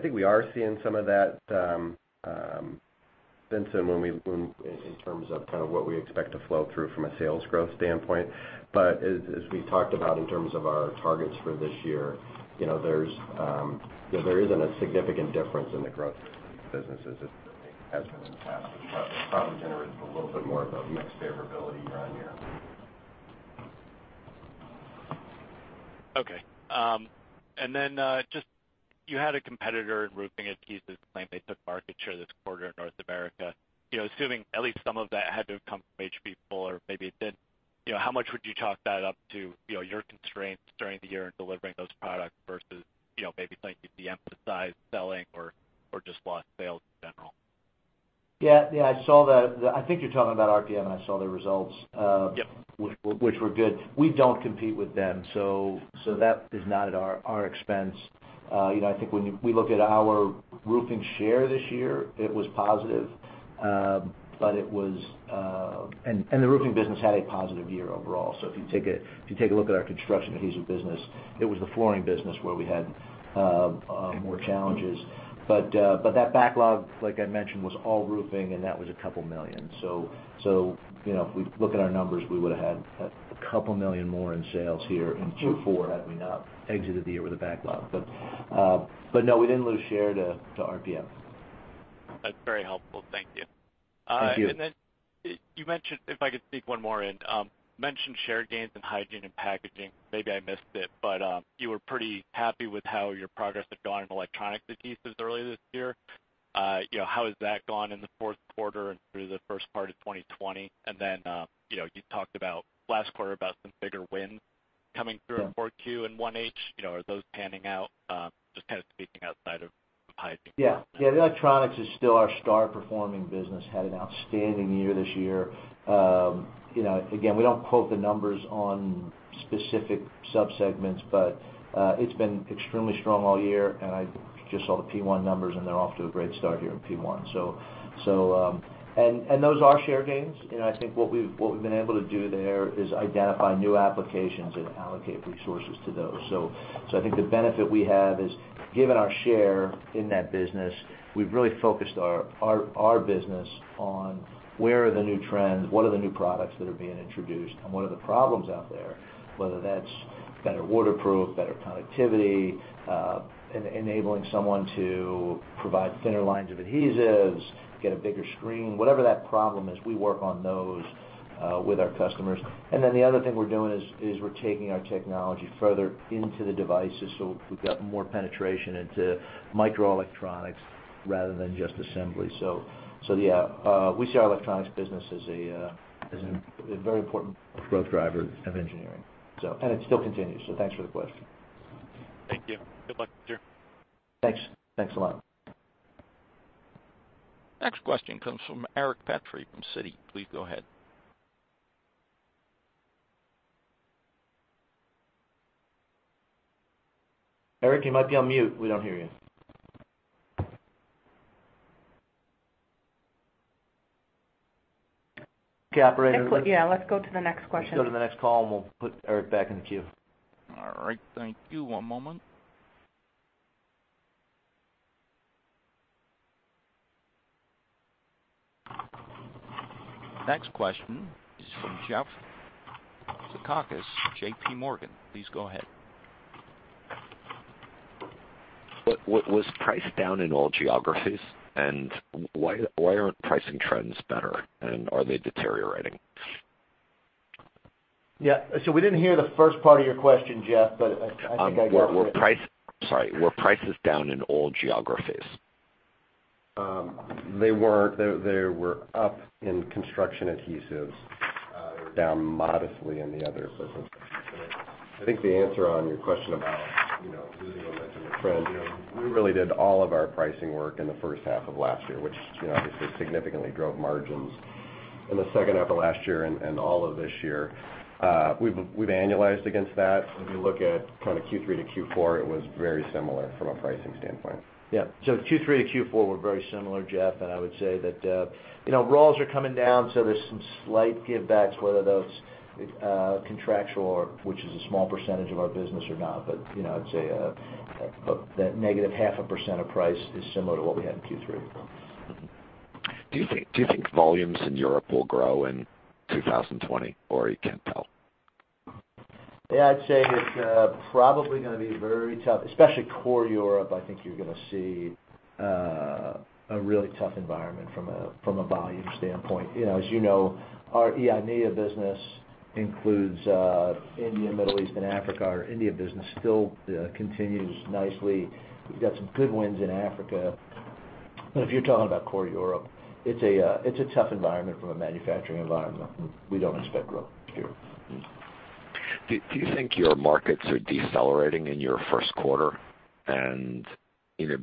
S4: think we are seeing some of that, Vincent, in terms of kind of what we expect to flow through from a sales growth standpoint. As we talked about in terms of our targets for this year, there isn't a significant difference in the growth businesses as there has been in the past, which probably generates a little bit more of a mix favorability year-on-year.
S8: Okay. You had a competitor in Roofing Adhesives claim they took market share this quarter in North America. Assuming at least some of that had to have come from H.B. Fuller, maybe it didn't. How much would you chalk that up to your constraints during the year in delivering those products versus maybe something you've de-emphasized selling or just lost sales in general?
S3: Yeah. I saw that. I think you're talking about RPM, and I saw the results.
S8: Yep
S3: which were good. We don't compete with them, so that is not at our expense. I think when we look at our roofing share this year, it was positive. The roofing business had a positive year overall. If you take a look at our construction adhesive business, it was the flooring business where we had more challenges. That backlog, like I mentioned, was all roofing, and that was $2 million. If we look at our numbers, we would've had $2 million more in sales here in Q4 had we not exited the year with a backlog. No, we didn't lose share to RPM.
S8: That's very helpful. Thank you.
S3: Thank you.
S8: You mentioned, if I could sneak one more in, mentioned share gains in hygiene and packaging. Maybe I missed it, but you were pretty happy with how your progress had gone in electronic adhesives earlier this year. How has that gone in the fourth quarter and through the first part of 2020? You talked about last quarter about some bigger wins coming through in 4Q and 1H. Are those panning out? Just kind of speaking outside of hygiene.
S3: Electronics is still our star performing business. Had an outstanding year this year. We don't quote the numbers on specific sub-segments, but it's been extremely strong all year, and I just saw the P1 numbers, and they're off to a great start here in P1. Those are share gains. I think what we've been able to do there is identify new applications and allocate resources to those. I think the benefit we have is, given our share in that business, we've really focused our business on where are the new trends, what are the new products that are being introduced, and what are the problems out there, whether that's better waterproof, better connectivity, enabling someone to provide thinner lines of adhesives, get a bigger screen, whatever that problem is, we work on those with our customers. The other thing we're doing is we're taking our technology further into the devices. We've got more penetration into microelectronics rather than just assembly. Yeah, we see our electronics business as a very important growth driver of Engineering. It still continues. Thanks for the question.
S8: Thank you. Good luck, Jim.
S3: Thanks. Thanks a lot.
S1: Next question comes from Eric Petrie from Citi. Please go ahead.
S3: Eric, you might be on mute. We don't hear you. Okay, operator.
S2: Yeah, let's go to the next question.
S3: Let's go to the next call, and we'll put Eric back in the queue.
S1: All right. Thank you. One moment. Next question is from Jeff Zekauskas, J.P. Morgan. Please go ahead.
S9: Was price down in all geographies? Why aren't pricing trends better, and are they deteriorating?
S3: Yeah. We didn't hear the first part of your question, Jeff, but I think I got the-
S9: Sorry. Were prices down in all geographies?
S4: They were up in construction adhesives. They were down modestly in the other businesses. I think the answer on your question about Ludo mentioned the trends. We really did all of our pricing work in the first half of last year, which obviously significantly drove margins in the second half of last year and all of this year. We've annualized against that. If you look at kind of Q3 to Q4, it was very similar from a pricing standpoint.
S3: Yeah. Q3 to Q4 were very similar, Jeff. I would say that raws are coming down, so there's some slight givebacks, whether that's contractual or, which is a small percentage of our business or not, but I'd say that negative half a percent of price is similar to what we had in Q3.
S9: Do you think volumes in Europe will grow in 2020, or you can't tell?
S3: I'd say it's probably going to be very tough. Especially core Europe, I think you're going to see a really tough environment from a volume standpoint. As you know, our EIMEA Business includes India, Middle East and Africa. Our India business still continues nicely. We've got some good wins in Africa. If you're talking about core Europe, it's a tough environment from a manufacturing environment. We don't expect growth here.
S9: Do you think your markets are decelerating in your first quarter? Either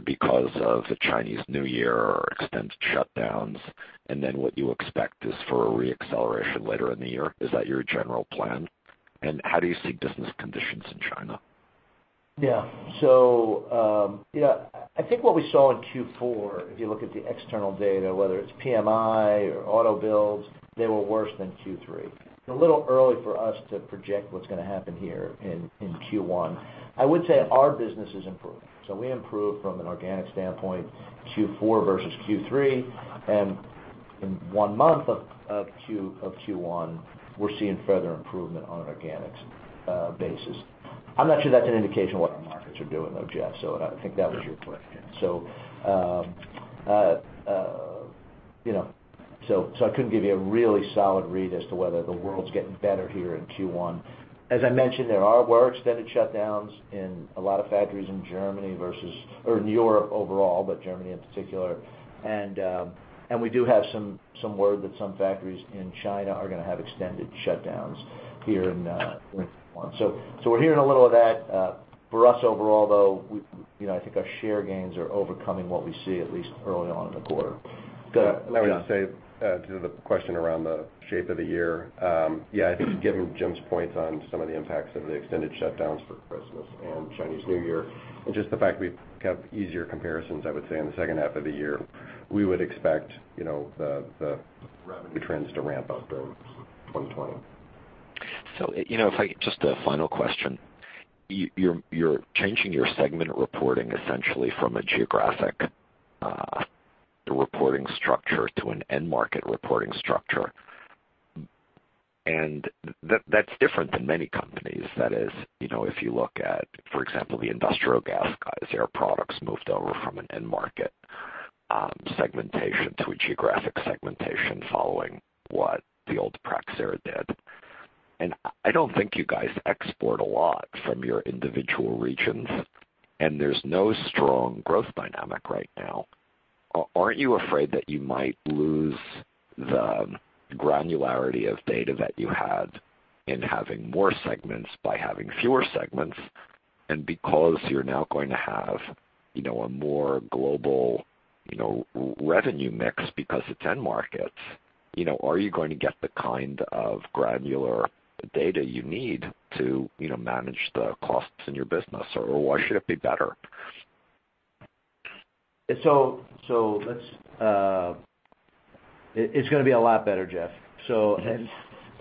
S9: because of the Chinese New Year or extended shutdowns, and then what you expect is for a re-acceleration later in the year. Is that your general plan? How do you see business conditions in China?
S3: I think what we saw in Q4, if you look at the external data, whether it's PMI or auto builds, they were worse than Q3. It's a little early for us to project what's going to happen here in Q1. I would say our business is improving. We improved from an organic standpoint, Q4 versus Q3. In one month of Q1, we're seeing further improvement on an organics basis. I'm not sure that's an indication of what our markets are doing, though, Jeff. I think that was your question. I couldn't give you a really solid read as to whether the world's getting better here in Q1. As I mentioned, there were extended shutdowns in a lot of factories in Germany or in Europe overall, but Germany in particular. We do have some word that some factories in China are going to have extended shutdowns here in Q1. We are hearing a little of that. For us overall, though, I think our share gains are overcoming what we see at least early on in the quarter. Go.
S4: I would just say to the question around the shape of the year. Yeah, I think given Jim's points on some of the impacts of the extended shutdowns for Christmas and Chinese New Year, and just the fact we've got easier comparisons, I would say in the second half of the year, we would expect the revenue trends to ramp up during 2020.
S9: If I could, just a final question. You're changing your segment reporting essentially from a geographic reporting structure to an end market reporting structure. That's different than many companies. That is, if you look at, for example, the industrial gas guys, Air Products moved over from an end market segmentation to a geographic segmentation following what the old Praxair did. I don't think you guys export a lot from your individual regions, and there's no strong growth dynamic right now. Aren't you afraid that you might lose the granularity of data that you had in having more segments by having fewer segments? Because you're now going to have a more global revenue mix because it's end markets, are you going to get the kind of granular data you need to manage the costs in your business, or why should it be better?
S3: It's going to be a lot better, Jeff.
S9: Okay.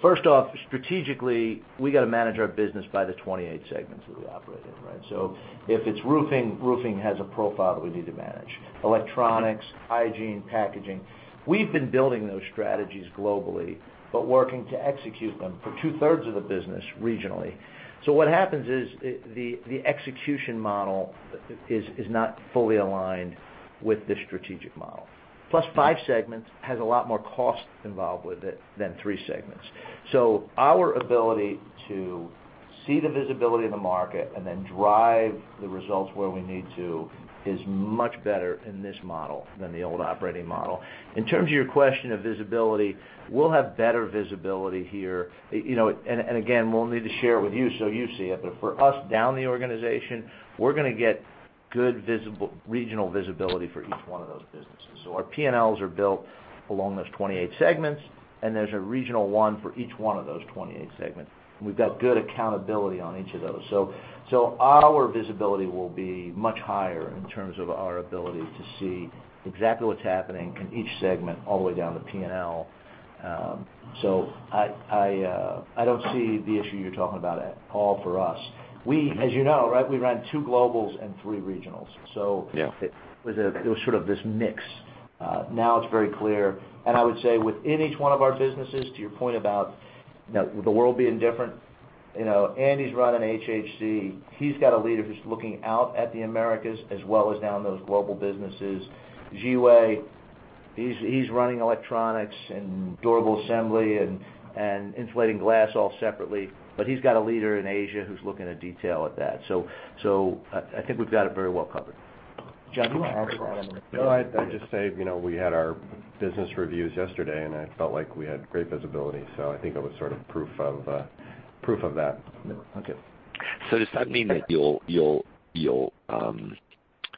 S3: First off, strategically, we got to manage our business by the 28 segments that we operate in, right? If it's roofing has a profile that we need to manage. Electronics, hygiene, packaging. We've been building those strategies globally, but working to execute them for two-thirds of the business regionally. What happens is, the execution model is not fully aligned with the strategic model. Plus, five segments has a lot more cost involved with it than three segments. Our ability to see the visibility of the market and then drive the results where we need to is much better in this model than the old operating model. In terms of your question of visibility, we'll have better visibility here. Again, we'll need to share it with you so you see it, but for us down the organization, we're going to get good regional visibility for each one of those businesses. Our P&Ls are built along those 28 segments, and there's a regional one for each one of those 28 segments. We've got good accountability on each of those. Our visibility will be much higher in terms of our ability to see exactly what's happening in each segment all the way down to P&L. I don't see the issue you're talking about at all for us. We, as you know, right, we ran two globals and three regionals.
S9: Yeah.
S3: It was sort of this mix. It's very clear. I would say within each one of our businesses, to your point about the world being different. Andy's running HHC. He's got a leader who's looking out at the Americas as well as down those global businesses. Jiwei, he's running electronics and Durable Assembly and insulating glass all separately, he's got a leader in Asia who's looking at detail at that. I think we've got it very well covered. John, do you want to add to that?
S4: No, I'd just say, we had our business reviews yesterday, and I felt like we had great visibility, so I think it was sort of proof of that.
S9: Okay. Does that mean that you'll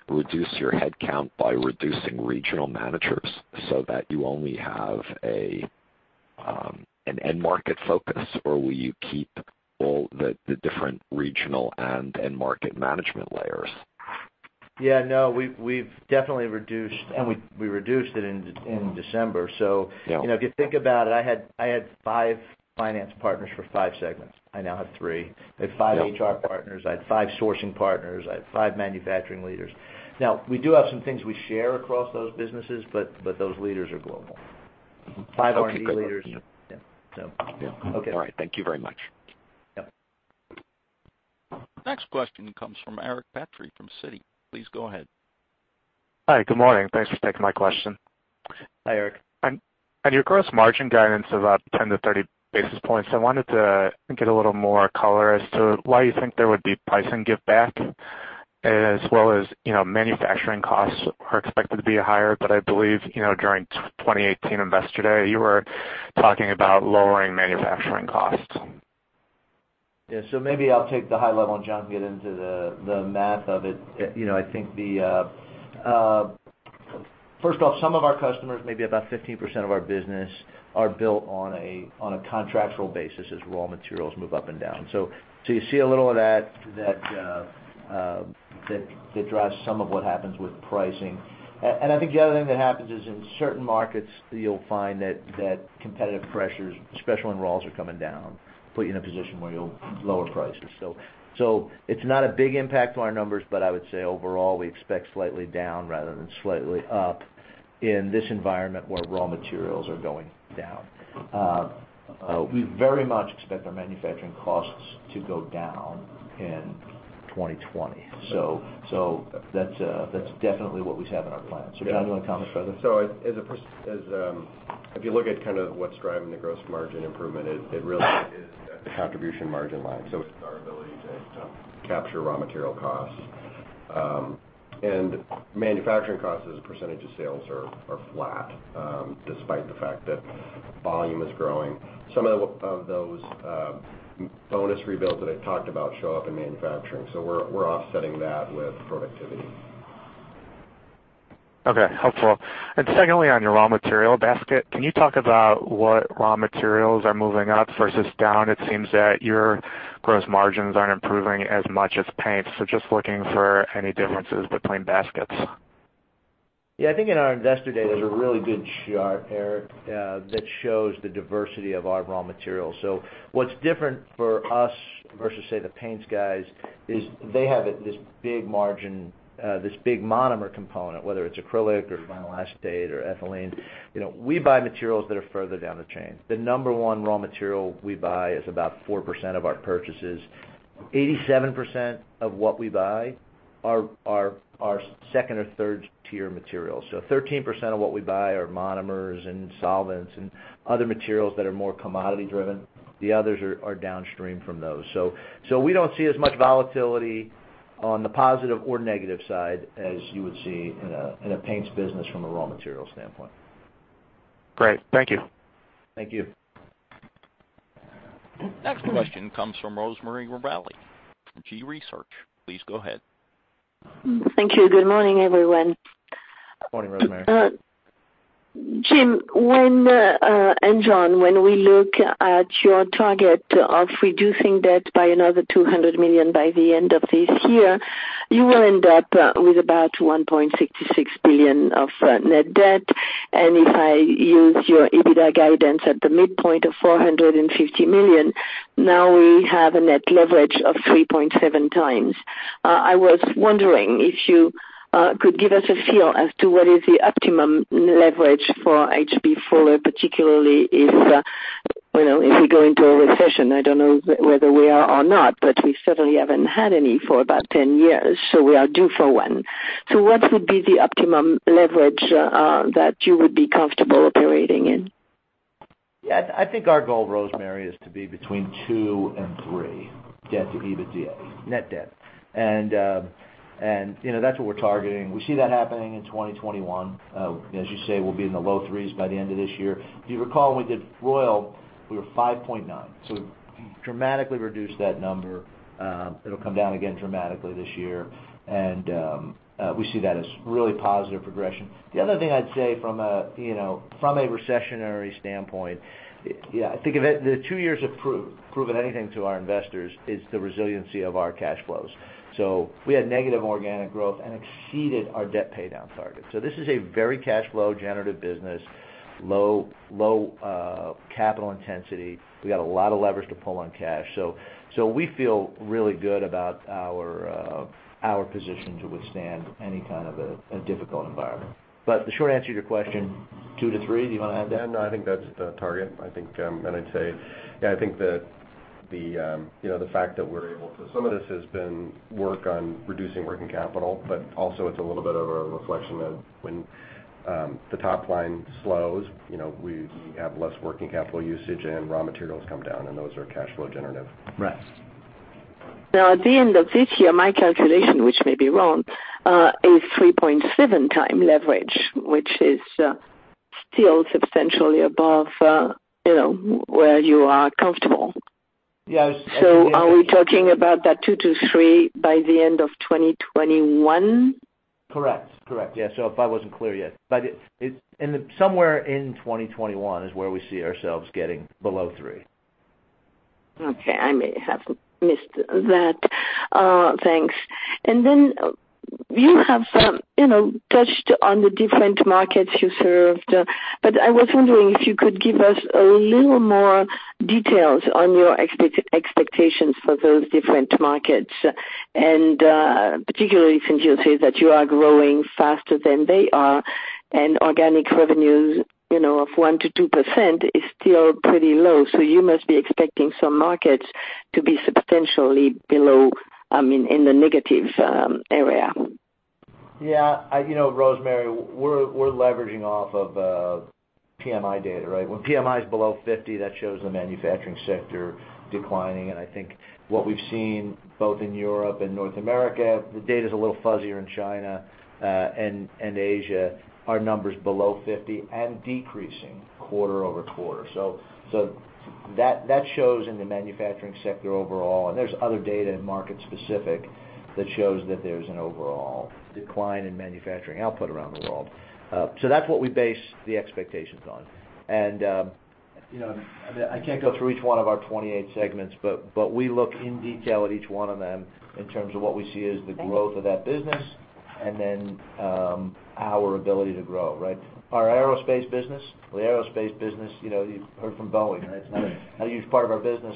S9: reduce your headcount by reducing regional managers so that you only have an end market focus, or will you keep all the different regional and end market management layers?
S3: Yeah, no, we've definitely reduced, and we reduced it in December.
S9: Yeah.
S3: If you think about it, I had five finance partners for five segments. I now have three.
S9: Yeah.
S3: I had five HR partners. I had five sourcing partners. I had five manufacturing leaders. We do have some things we share across those businesses, but those leaders are global.
S9: Okay, great.
S3: Five R&D leaders. Yeah.
S9: Yeah.
S3: Okay.
S9: All right. Thank you very much.
S3: Yeah.
S1: Next question comes from Eric Petrie from Citi. Please go ahead.
S10: Hi. Good morning. Thanks for taking my question.
S3: Hi, Eric.
S10: On your gross margin guidance of up 10 to 30 basis points, I wanted to get a little more color as to why you think there would be pricing give back, as well as manufacturing costs are expected to be higher. I believe, during 2018 Investor Day, you were talking about lowering manufacturing costs.
S3: Maybe I'll take the high level and John can get into the math of it. First off, some of our customers, maybe about 15% of our business, are built on a contractual basis as raw materials move up and down. You see a little of that drives some of what happens with pricing. I think the other thing that happens is in certain markets, you'll find that competitive pressures, especially when raws are coming down, put you in a position where you'll lower prices. It's not a big impact to our numbers, but I would say overall, we expect slightly down rather than slightly up in this environment where raw materials are going down. We very much expect our manufacturing costs to go down in 2020. That's definitely what we have in our plans. John, do you want to comment further?
S4: If you look at kind of what's driving the gross margin improvement, it really is at the contribution margin line. It's our ability to capture raw material costs. Manufacturing costs as a % of sales are flat, despite the fact that volume is growing. Some of those bonus rebuilds that I talked about show up in manufacturing, so we're offsetting that with productivity.
S10: Okay. Helpful. Secondly, on your raw material basket, can you talk about what raw materials are moving up versus down? It seems that your gross margins aren't improving as much as paint's. Just looking for any differences between baskets.
S3: Yeah. I think in our investor day, there's a really good chart, Eric, that shows the diversity of our raw materials. What's different for us versus say the paints guys is they have this big monomer component, whether it's acrylic or vinyl acetate or ethylene. We buy materials that are further down the chain. The number one raw material we buy is about 4% of our purchases. 87% of what we buy are second or third-tier materials. 13% of what we buy are monomers and solvents and other materials that are more commodity-driven. The others are downstream from those. We don't see as much volatility on the positive or negative side as you would see in a paints business from a raw material standpoint.
S10: Great. Thank you.
S3: Thank you.
S1: Next question comes from Rosemarie Morbelli from Gabelli Funds. Please go ahead.
S11: Thank you. Good morning, everyone.
S3: Good morning, Rosemarie.
S11: Jim and John, when we look at your target of reducing debt by another $200 million by the end of this year, you will end up with about $1.66 billion of net debt. If I use your EBITDA guidance at the midpoint of $450 million, now we have a net leverage of 3.7x. I was wondering if you could give us a feel as to what is the optimum leverage for H.B. Fuller, particularly if we go into a recession. I don't know whether we are or not, but we certainly haven't had any for about 10 years, so we are due for one. What would be the optimum leverage that you would be comfortable operating in?
S3: I think our goal, Rosemarie, is to be between two and three, debt to EBITDA, net debt. That's what we're targeting. We see that happening in 2021. As you say, we'll be in the low threes by the end of this year. If you recall, when we did Royal, we were 5.9. We dramatically reduced that number. It'll come down again dramatically this year. We see that as really positive progression. The other thing I'd say from a recessionary standpoint, I think if the two years have proven anything to our investors, it's the resiliency of our cash flows. We had negative organic growth and exceeded our debt paydown target. This is a very cash flow generative business, low capital intensity. We got a lot of leverage to pull on cash. We feel really good about our position to withstand any kind of a difficult environment. The short answer to your question, two to three. Do you want to add to that?
S4: No, I think that's the target. I think that the fact that some of this has been work on reducing working capital, but also it's a little bit of a reflection of when the top line slows, we have less working capital usage and raw materials come down, and those are cash flow generative.
S3: Right.
S11: At the end of this year, my calculation, which may be wrong, is 3.7 time leverage, which is still substantially above where you are comfortable.
S3: Yes.
S11: Are we talking about that two to three by the end of 2021?
S3: Correct. Correct. Yeah. If I wasn't clear yet, somewhere in 2021 is where we see ourselves getting below three.
S11: Okay. I may have missed that. Thanks. You have touched on the different markets you served. I was wondering if you could give us a little more details on your expectations for those different markets. Particularly since you say that you are growing faster than they are, organic revenues of 1%-2% is still pretty low. You must be expecting some markets to be substantially below, I mean, in the negative area.
S3: Rosemarie, we're leveraging off of PMI data, right? When PMI is below 50, that shows the manufacturing sector declining. I think what we've seen both in Europe and North America, the data's a little fuzzier in China and Asia. Our number's below 50 and decreasing quarter-over-quarter. That shows in the manufacturing sector overall. There's other data market specific that shows that there's an overall decline in manufacturing output around the world. That's what we base the expectations on. I can't go through each one of our 28 segments. We look in detail at each one of them in terms of what we see as the growth of that business, then our ability to grow, right? Our aerospace business, you've heard from Boeing, right? It's not a huge part of our business.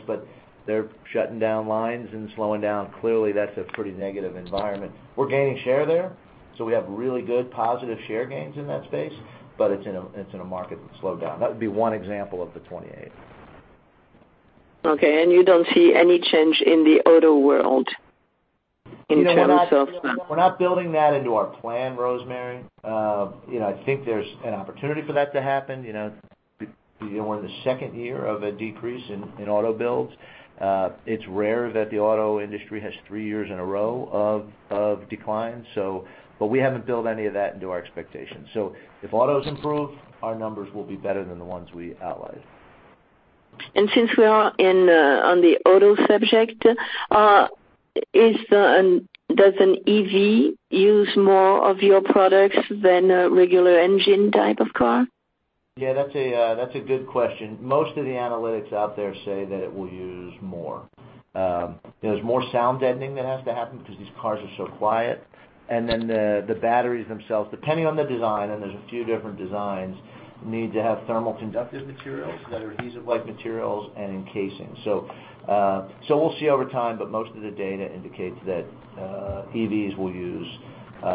S3: They're shutting down lines and slowing down. Clearly, that's a pretty negative environment. We're gaining share there, so we have really good positive share gains in that space, but it's in a market that's slowed down. That would be one example of the 28.
S11: Okay, you don't see any change in the auto world in terms of
S3: We're not building that into our plan, Rosemarie. I think there's an opportunity for that to happen. We're in the second year of a decrease in auto builds. It's rare that the auto industry has three years in a row of decline. We haven't built any of that into our expectations. If autos improve, our numbers will be better than the ones we outlined.
S11: Since we are on the auto subject, does an EV use more of your products than a regular engine type of car?
S3: Yeah, that's a good question. Most of the analytics out there say that it will use more. There's more sound deadening that has to happen because these cars are so quiet. The batteries themselves, depending on the design, and there's a few different designs, need to have thermal conductive materials that are adhesive-like materials and encasing. We'll see over time, but most of the data indicates that EVs will use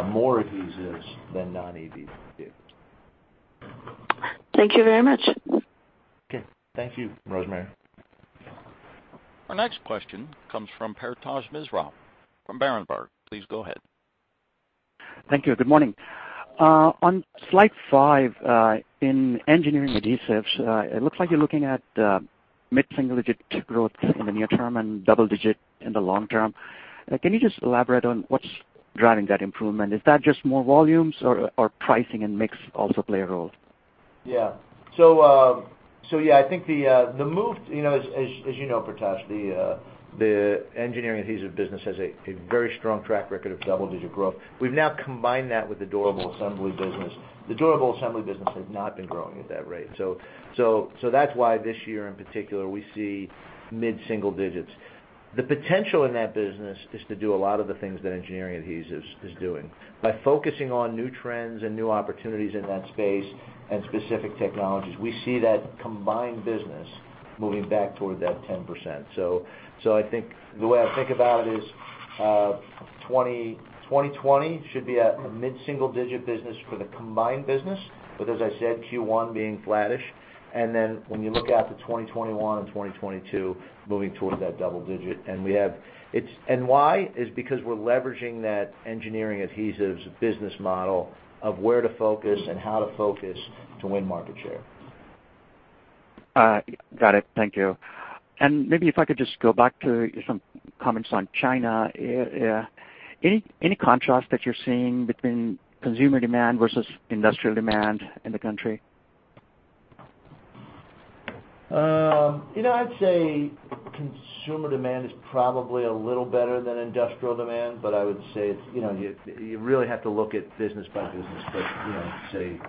S3: more adhesives than non-EVs do.
S11: Thank you very much.
S3: Okay. Thank you, Rosemarie.
S1: Our next question comes from Paretosh Misra from Berenberg. Please go ahead.
S12: Thank you. Good morning. On slide five, in Engineering Adhesives, it looks like you're looking at mid-single digit growth in the near term and double digit in the long term. Can you just elaborate on what's driving that improvement? Is that just more volumes, or pricing and mix also play a role?
S3: Yeah. I think the move, as you know, Paretosh, the Engineering Adhesives business has a very strong track record of double-digit growth. We've now combined that with the Durable Assembly business. The Durable Assembly business has not been growing at that rate. That's why this year in particular, we see mid-single-digits. The potential in that business is to do a lot of the things that Engineering Adhesives is doing. By focusing on new trends and new opportunities in that space and specific technologies, we see that combined business moving back toward that 10%. The way I think about it is, 2020 should be at a mid-single-digit business for the combined business, but as I said, Q1 being flattish. When you look out to 2021 and 2022, moving towards that double-digit. Why? Is because we're leveraging that Engineering Adhesives business model of where to focus and how to focus to win market share.
S12: Got it. Thank you. Maybe if I could just go back to some comments on China. Any contrast that you're seeing between consumer demand versus industrial demand in the country?
S3: I'd say consumer demand is probably a little better than industrial demand, but I would say you really have to look at business by business. I'd say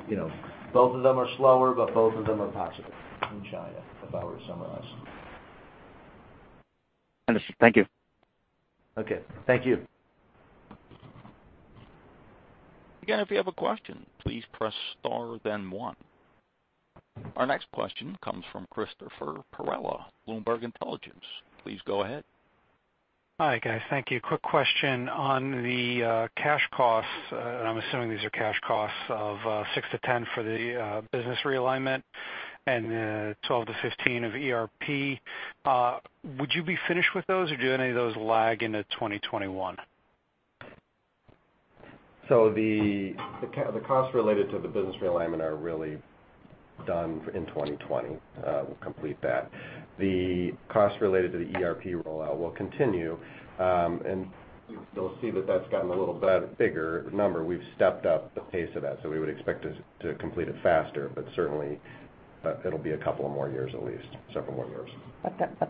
S3: both of them are slower, but both of them are positive in China, if I were to summarize.
S12: Understood. Thank you.
S3: Okay. Thank you.
S1: Again, if you have a question, please press star then one. Our next question comes from Christopher Perrella, Bloomberg Intelligence. Please go ahead.
S13: Hi, guys. Thank you. Quick question on the cash costs. I'm assuming these are cash costs of $6-$10 for the business realignment and $12-$15 of ERP. Would you be finished with those, or do any of those lag into 2021?
S4: The costs related to the business realignment are really done in 2020. We'll complete that. The costs related to the ERP rollout will continue. You'll see that that's gotten a little bit bigger number. We've stepped up the pace of that, so we would expect to complete it faster, but certainly it'll be a couple of more years at least, several more years.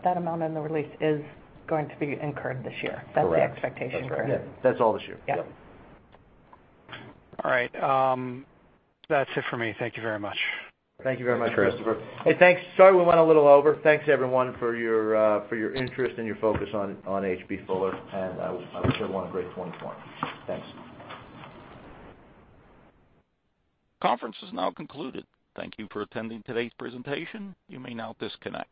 S2: That amount in the release is going to be incurred this year.
S4: Correct.
S2: That's the expectation, correct?
S3: Yeah. That's all this year.
S2: Yeah.
S13: All right. That's it for me. Thank you very much.
S3: Thank you very much, Christopher. Hey, thanks. Sorry we went a little over. Thanks everyone for your interest and your focus on H.B. Fuller. I wish everyone a great 2020. Thanks.
S1: Conference is now concluded. Thank you for attending today's presentation. You may now disconnect.